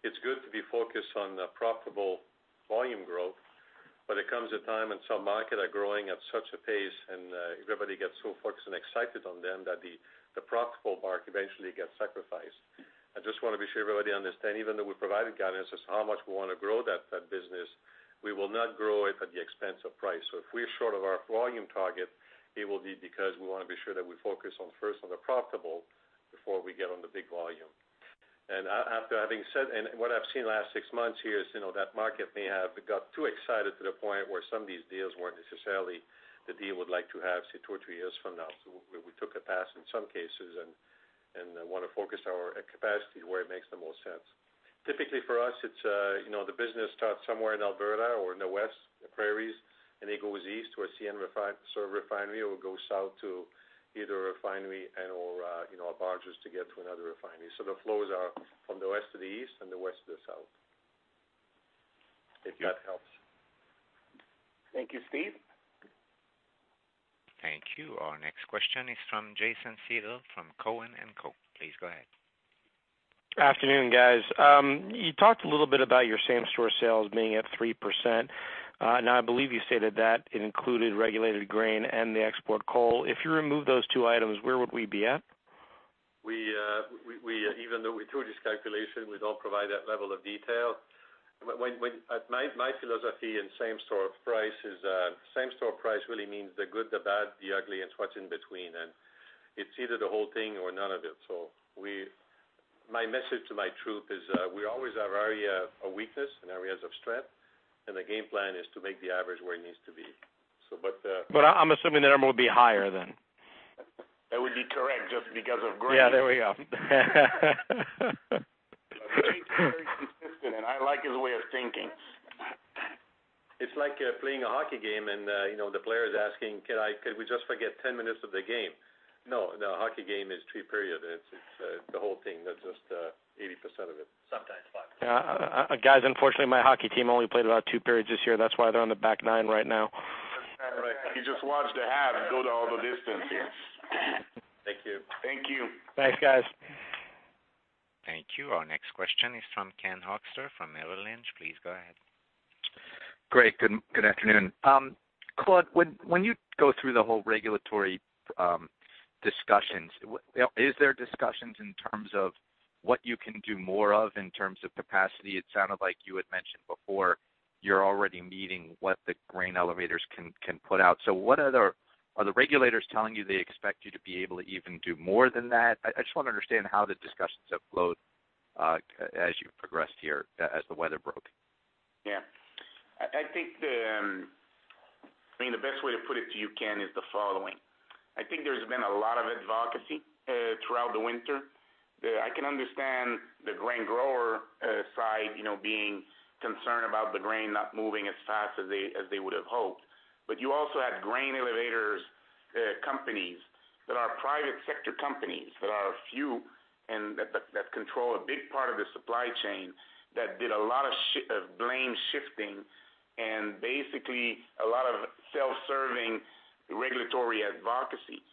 it's good to be focused on the profitable volume growth, but there comes a time when some market are growing at such a pace, and, everybody gets so focused and excited on them, that the, the profitable mark eventually gets sacrificed. I just wanna be sure everybody understand, even though we provided guidance as to how much we wanna grow that, that business, we will not grow it at the expense of price. So if we're short of our volume target, it will be because we wanna be sure that we focus on, first on the profitable before we get on the big volume. And after having said... I've seen in the last 6 months here is, you know, that market may have got too excited to the point where some of these deals weren't necessarily the deal we'd like to have, say, 2 or 3 years from now. We took a pass in some cases and wanna focus our capacity where it makes the most sense. Typically, for us, it's, you know, the business starts somewhere in Alberta or in the West, the Prairies, and it goes east to a CN sort of refinery, or it goes south to either a refinery and/or, you know, barges to get to another refinery. The flows are from the west to the east and the west to the south. If that helps. Thank you, Steve. Thank you. Our next question is from Jason Seidl, from Cowen and Co. Please go ahead. Afternoon, guys. You talked a little bit about your same-store sales being up 3%. Now, I believe you stated that it included regulated grain and the export coal. If you remove those two items, where would we be at? Even though we threw this calculation, we don't provide that level of detail. But my philosophy in same-store price is same-store price really means the good, the bad, the ugly, and what's in between, and it's either the whole thing or none of it. My message to my troop is we always have area of weakness and areas of strength, and the game plan is to make the average where it needs to be. But I'm assuming the number would be higher then. That would be correct, just because of grain. Yeah, there we go. Very, very consistent, and I like his way of thinking. It's like, playing a hockey game, and, you know, the player is asking: "Could we just forget 10 minutes of the game?" No, the hockey game is three periods. It's, it's, the whole thing, not just, 80% of it. Sometimes five. Yeah, guys, unfortunately, my hockey team only played about two periods this year. That's why they're on the back nine right now. You just watch the half and go to all the distance. Thank you. Thank you. Thanks, guys. Thank you. Our next question is from Ken Hoexter from Merrill Lynch. Please go ahead. Great. Good, good afternoon. Claude, when you go through the whole regulatory discussions, is there discussions in terms of what you can do more of in terms of capacity? It sounded like you had mentioned before, you're already meeting what the grain elevators can put out. So what are the... Are the regulators telling you they expect you to be able to even do more than that? I just wanna understand how the discussions have flowed, as you've progressed here, as the weather broke. Yeah. I, I think the, I mean, the best way to put it to you, Ken, is the following: I think there's been a lot of advocacy throughout the winter. I can understand the grain grower side, you know, being concerned about the grain not moving as fast as they, as they would have hoped. But you also have grain elevators companies that are private sector companies, that are few, and that control a big part of the supply chain, that did a lot of blame shifting and basically a lot of self-serving regulatory advocacy.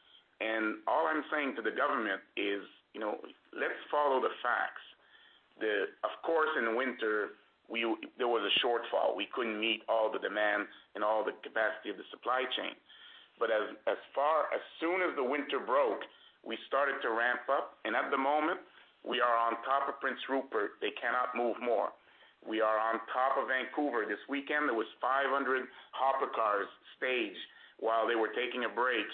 And all I'm saying to the government is, you know, let's follow the facts. Of course, in the winter, there was a shortfall. We couldn't meet all the demands and all the capacity of the supply chain. But as soon as the winter broke, we started to ramp up, and at the moment, we are on top of Prince Rupert. They cannot move more. We are on top of Vancouver. This weekend, there were 500 hopper cars staged while they were taking a break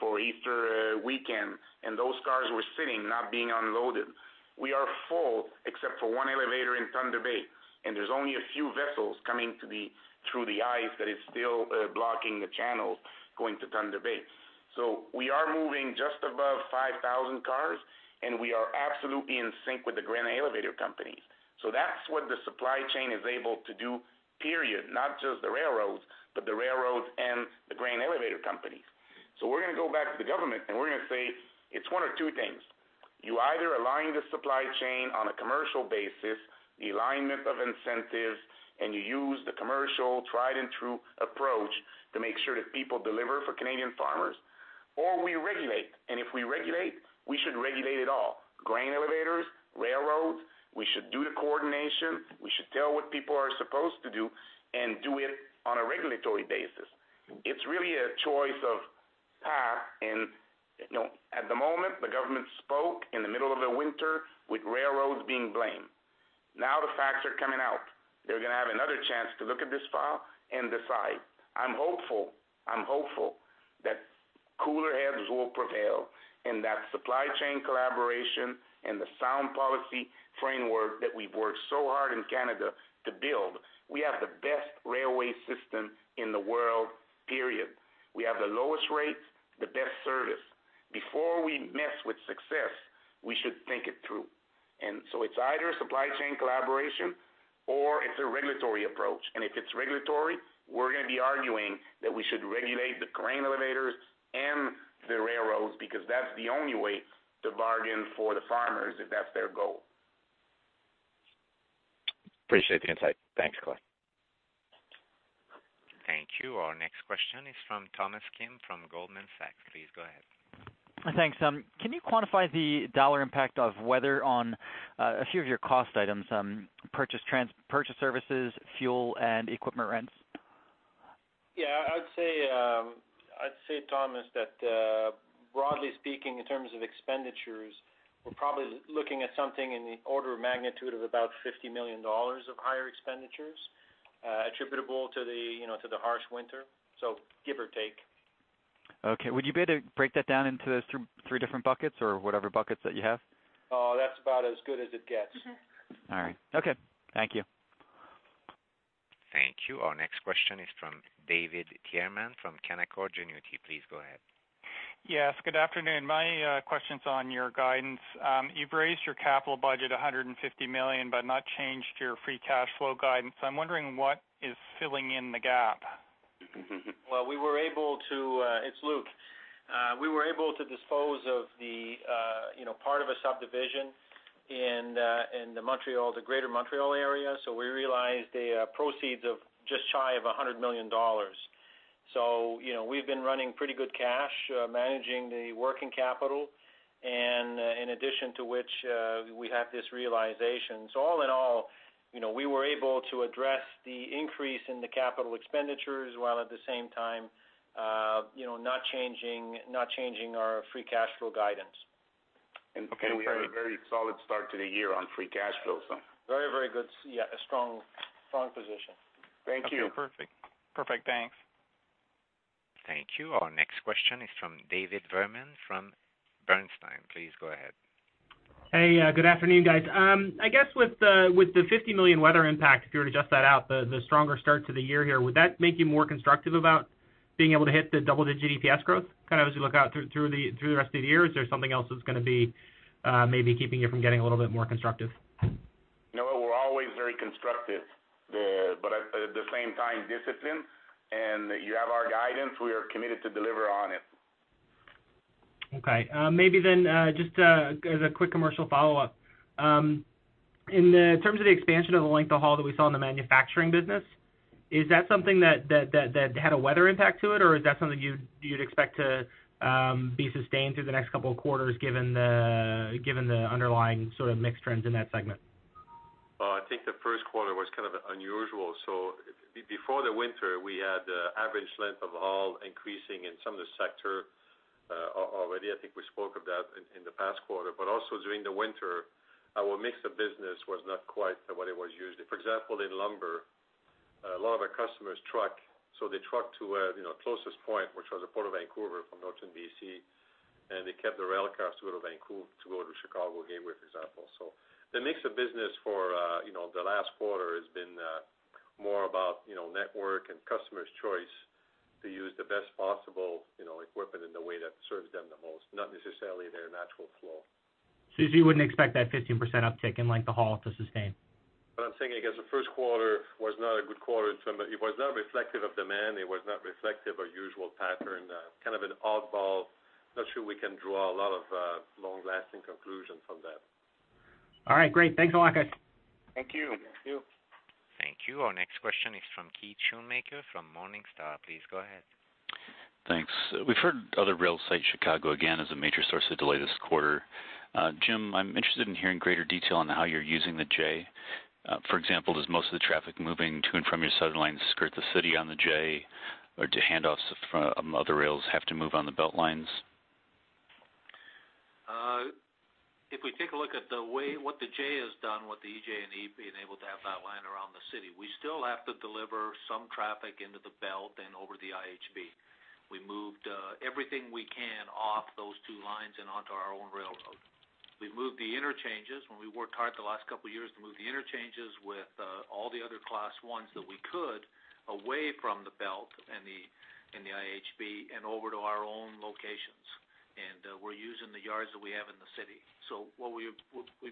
for Easter weekend, and those cars were sitting, not being unloaded. We are full, except for one elevator in Thunder Bay, and there's only a few vessels coming through the ice that is still blocking the channels going to Thunder Bay. So we are moving just above 5,000 cars, and we are absolutely in sync with the grain elevator companies. So that's what the supply chain is able to do, period. Not just the railroads, but the railroads and the grain elevator companies. So we're gonna go back to the government, and we're gonna say, "It's one of two things. You either align the supply chain on a commercial basis, the alignment of incentives, and you use the commercial tried and true approach to make sure that people deliver for Canadian farmers, or we regulate. And if we regulate, we should regulate it all. Grain elevators, railroads. We should do the coordination. We should tell what people are supposed to do and do it on a regulatory basis." It's really a choice of path, and, you know, at the moment, the government spoke in the middle of the winter with railroads being blamed. Now, the facts are coming out. They're gonna have another chance to look at this file and decide. I'm hopeful, I'm hopeful that cooler heads will prevail, and that supply chain collaboration and the sound policy framework that we've worked so hard in Canada to build. We have the best railway system in the world, period. We have the lowest rates, the best service. Before we mess with success, we should think it through. And so it's either supply chain collaboration or it's a regulatory approach. And if it's regulatory, we're gonna be arguing that we should regulate the grain elevators and the railroads, because that's the only way to bargain for the farmers if that's their goal. Appreciate the insight. Thanks, Claude. Thank you. Our next question is from Thomas Kim from Goldman Sachs. Please go ahead. Thanks. Can you quantify the dollar impact of weather on a few of your cost items, purchased services, fuel, and equipment rents? Yeah, I would say, I'd say, Thomas, that broadly speaking, in terms of expenditures, we're probably looking at something in the order of magnitude of about 50 million dollars of higher expenditures attributable to the, you know, to the harsh winter, so give or take. Okay. Would you be able to break that down into those three different buckets or whatever buckets that you have? That's about as good as it gets. All right. Okay, thank you. Thank you. Our next question is from David Tyerman from Canaccord Genuity. Please go ahead. Yes, good afternoon. My question's on your guidance. You've raised your capital budget 150 million, but not changed your free cash flow guidance. I'm wondering, what is filling in the gap? Well, we were able to, it's Luc. We were able to dispose of the, you know, part of a subdivision in the Greater Montreal area, so we realized the proceeds of just shy of 100 million dollars. So, you know, we've been running pretty good cash, managing the working capital, and, in addition to which, we have this realization. So all in all, you know, we were able to address the increase in the capital expenditures, while at the same time, you know, not changing, not changing our free cash flow guidance. Okay, perfect. We had a very solid start to the year on free cash flow, so. Very, very good. Yeah, a strong, strong position. Thank you. Okay, perfect. Perfect. Thanks. Thank you. Our next question is from David Vernon from Bernstein. Please go ahead. Hey, good afternoon, guys. I guess with the 50 million weather impact, if you were to adjust that out, the stronger start to the year here, would that make you more constructive about being able to hit the double-digit EPS growth, kind of as you look out through the rest of the year? Is there something else that's gonna be maybe keeping you from getting a little bit more constructive? No, we're always very constructive. But at the same time, disciplined, and you have our guidance. We are committed to deliver on it. Okay. Maybe then, just, as a quick commercial follow-up,... In terms of the expansion of the length of haul that we saw in the manufacturing business, is that something that had a weather impact to it? Or is that something you'd expect to be sustained through the next couple of quarters, given the underlying sort of mixed trends in that segment? Well, I think the first quarter was kind of unusual. So before the winter, we had the average length of haul increasing in some of the sector already. I think we spoke of that in the past quarter. But also during the winter, our mix of business was not quite what it was usually. For example, in lumber, a lot of our customers truck, so they truck to a, you know, closest point, which was the Port of Vancouver from Northern BC, and they kept the rail cars to go to Vancouver to go to Chicago again, for example. So the mix of business for, you know, the last quarter has been more about, you know, network and customers' choice to use the best possible, you know, equipment in the way that serves them the most, not necessarily their natural flow. You wouldn't expect that 15% uptick in length of haul to sustain? What I'm saying, I guess the first quarter was not a good quarter in terms of... It was not reflective of demand. It was not reflective of usual pattern, kind of an oddball. Not sure we can draw a lot of long-lasting conclusions from that. All right, great. Thanks a lot, guys. Thank you. Thank you. Thank you. Our next question is from Keith Schoonmaker from Morningstar. Please go ahead. Thanks. We've heard other rails cite Chicago again, as a major source of delay this quarter. Jim, I'm interested in hearing greater detail on how you're using the J. For example, does most of the traffic moving to and from your southern line skirt the city on the J, or do handoffs from other rails have to move on the belt lines? If we take a look at the way what the J has done with the EJ&E, being able to have that line around the city, we still have to deliver some traffic into the belt and over the IHB. We moved everything we can off those two lines and onto our own railroad. We moved the interchanges, and we worked hard the last couple of years to move the interchanges with all the other Class 1s that we could, away from the belt and the IHB and over to our own locations. And we're using the yards that we have in the city. So what we've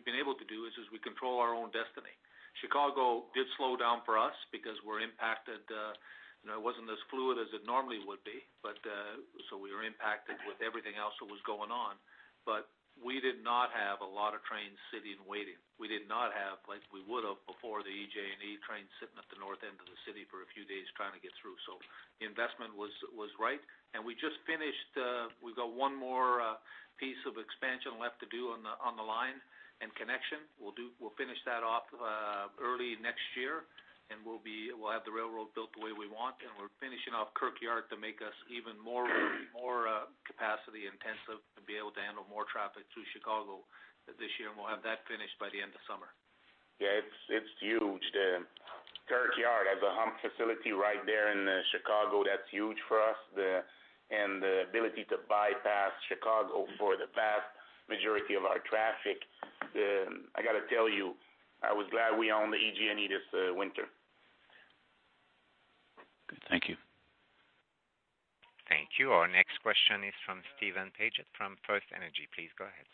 been able to do is we control our own destiny. Chicago did slow down for us because we're impacted. You know, it wasn't as fluid as it normally would be, but so we were impacted with everything else that was going on. But we did not have a lot of trains sitting, waiting. We did not have, like we would have before, the EJ&E trains sitting at the north end of the city for a few days trying to get through. So the investment was right. And we just finished; we've got one more piece of expansion left to do on the line and connection. We'll finish that off early next year, and we'll have the railroad built the way we want, and we're finishing off Kirk Yard to make us even more capacity intensive to be able to handle more traffic through Chicago this year, and we'll have that finished by the end of summer. Yeah, it's huge. The Kirk Yard as a hump facility right there in Chicago, that's huge for us. And the ability to bypass Chicago for the vast majority of our traffic, I got to tell you, I was glad we owned the EJ&E this winter. Thank you. Thank you. Our next question is from Steven Paget, from FirstEnergy. Please go ahead.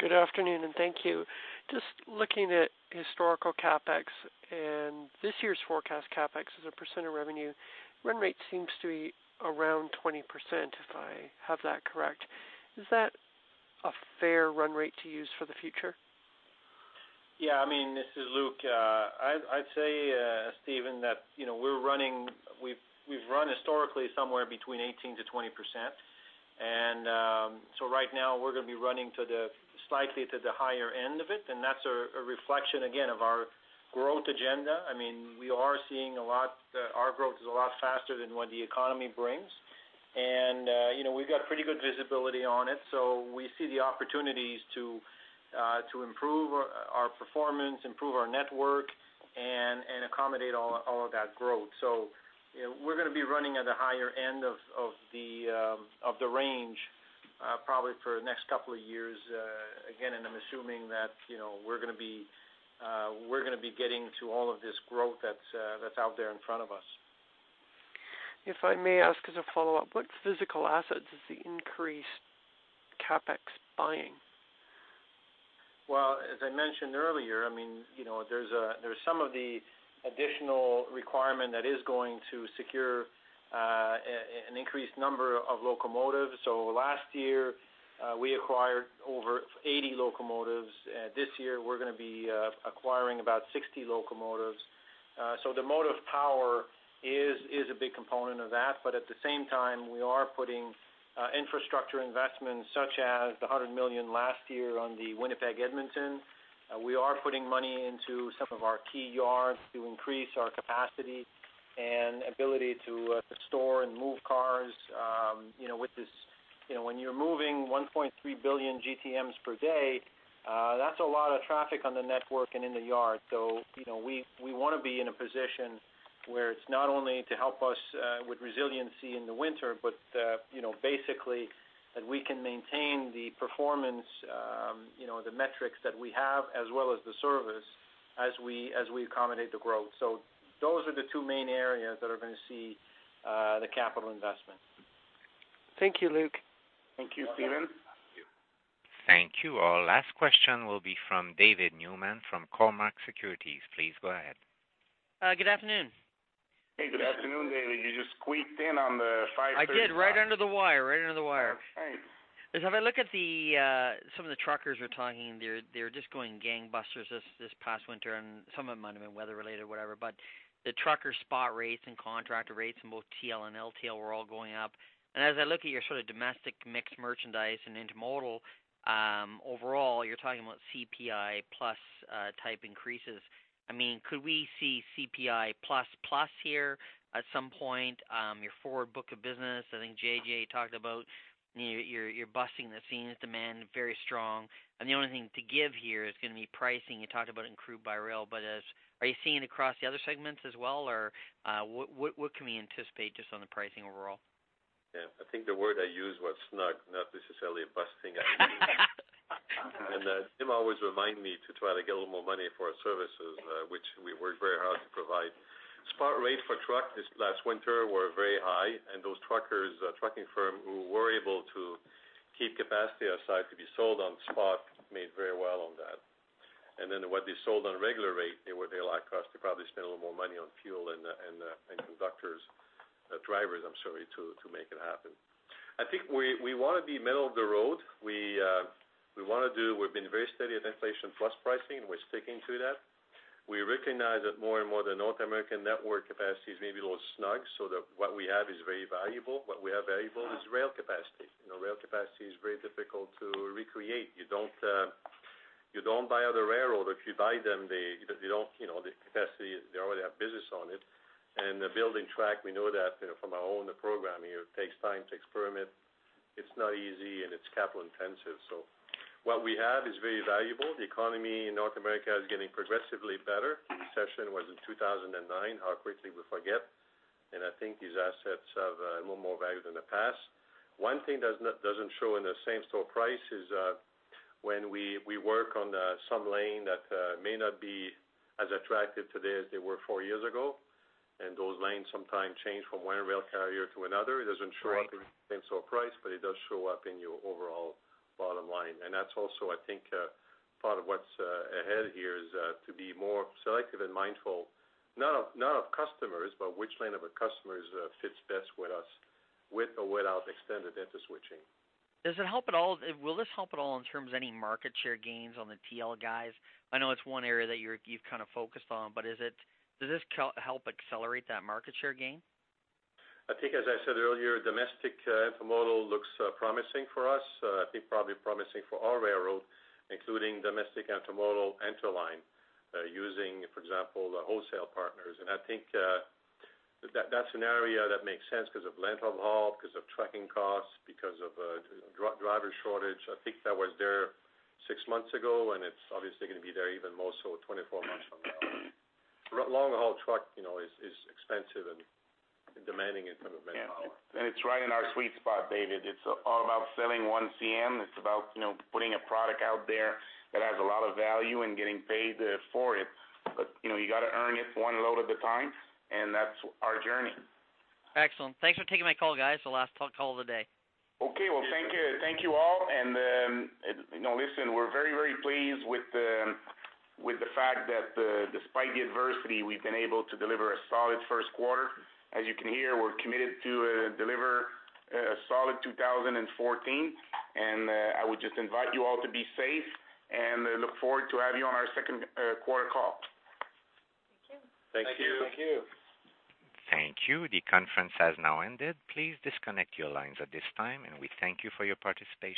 Good afternoon, and thank you. Just looking at historical CapEx and this year's forecast CapEx as a percent of revenue, run rate seems to be around 20%, if I have that correct. Is that a fair run rate to use for the future? Yeah, I mean, this is Luc. I'd say, Steven, that, you know, we're running—we've run historically somewhere between 18%-20%. So right now, we're going to be running slightly to the higher end of it, and that's a reflection, again, of our growth agenda. I mean, we are seeing a lot, our growth is a lot faster than what the economy brings. And, you know, we've got pretty good visibility on it, so we see the opportunities to improve our performance, improve our network, and accommodate all of that growth. So, you know, we're gonna be running at the higher end of the range, probably for the next couple of years, again, and I'm assuming that, you know, we're gonna be getting to all of this growth that's out there in front of us. If I may ask as a follow-up, what physical assets is the increased CapEx buying? Well, as I mentioned earlier, I mean, you know, there's a, there's some of the additional requirement that is going to secure, an increased number of locomotives. So last year, we acquired over 80 locomotives. This year, we're gonna be acquiring about 60 locomotives. So the motive power is a big component of that, but at the same time, we are putting infrastructure investments, such as the 100 million last year on the Winnipeg-Edmonton. We are putting money into some of our key yards to increase our capacity and ability to store and move cars. You know, with this, you know, when you're moving 1.3 billion GTMs per day, that's a lot of traffic on the network and in the yard. So, you know, we wanna be in a position where it's not only to help us with resiliency in the winter, but you know, basically, that we can maintain the performance, you know, the metrics that we have, as well as the service, as we accommodate the growth. So those are the two main areas that are gonna see the capital investment. Thank you, Luc. Thank you, Steven. Thank you. Our last question will be from David Newman, from Cormark Securities. Please go ahead. Good afternoon. Hey, good afternoon, David. You just squeaked in on the 5:30- I did, right under the wire. Right under the wire. All right. As I look at some of the truckers are talking, they're just going gangbusters this past winter, and some of them might have been weather-related, whatever. But the trucker spot rates and contractor rates in both TL and LTL were all going up. And as I look at your sort of domestic mixed merchandise and intermodal, overall, you're talking about CPI plus type increases. I mean, could we see CPI plus plus here at some point? Your forward book of business, I think JJ talked about you're busting the seams, demand very strong, and the only thing to give here is gonna be pricing. You talked about it in crude by rail, but as... Are you seeing it across the other segments as well, or what can we anticipate just on the pricing overall? Yeah. I think the word I used was snug, not necessarily a busting at all. And, Jim always remind me to try to get a little more money for our services, which we work very hard to provide. Spot rate for truck this last winter were very high, and those truckers, trucking firm, who were able to keep capacity aside to be sold on spot, made very well on that. And then what they sold on a regular rate, they were there, like us, to probably spend a little more money on fuel and, and conductors, drivers, I'm sorry, to make it happen. I think we wanna be middle of the road. We wanna do -- we've been very steady at inflation plus pricing, and we're sticking to that. We recognize that more and more, the North American network capacities may be a little snug, so that what we have is very valuable. What we have valuable is rail capacity. You know, rail capacity is very difficult to recreate. You don't buy other railroad. If you buy them, they don't, you know, the capacity is they already have business on it. And the building track, we know that, you know, from our own program, it takes time, takes permit. It's not easy, and it's capital intensive. So what we have is very valuable. The economy in North America is getting progressively better. Recession was in 2009. How quickly we forget. And I think these assets have a little more value than the past. One thing does not—doesn't show in the same-store price is, when we work on some lane that may not be as attractive today as they were four years ago, and those lanes sometimes change from one rail carrier to another. It doesn't show up in store price, but it does show up in your overall bottom line. And that's also, I think, part of what's ahead here, is to be more selective and mindful, not of customers, but which line of a customers fits best with us, with or without extended interswitching. Does it help at all? Will this help at all in terms of any market share gains on the TL guys? I know it's one area that you're, you've kind of focused on, but is it... Does this help accelerate that market share gain? I think, as I said earlier, domestic intermodal looks promising for us. I think probably promising for all railroads, including domestic intermodal, interline using, for example, the wholesale partners. And I think that that's an area that makes sense because of length of haul, because of trucking costs, because of driver shortage. I think that was there six months ago, and it's obviously gonna be there even more so 24 months from now. Long-haul truck, you know, is expensive and demanding in terms of manpower. It's right in our sweet spot, David. It's all about selling one CM. It's about, you know, putting a product out there that has a lot of value and getting paid for it. But, you know, you got to earn it one load at a time, and that's our journey. Excellent. Thanks for taking my call, guys. The last call of the day. Okay, well, thank you. Thank you all. You know, listen, we're very, very pleased with the fact that, despite the adversity, we've been able to deliver a solid first quarter. As you can hear, we're committed to deliver a solid 2014, and I would just invite you all to be safe and look forward to have you on our second quarter call. Thank you. Thank you. The conference has now ended. Please disconnect your lines at this time, and we thank you for your participation.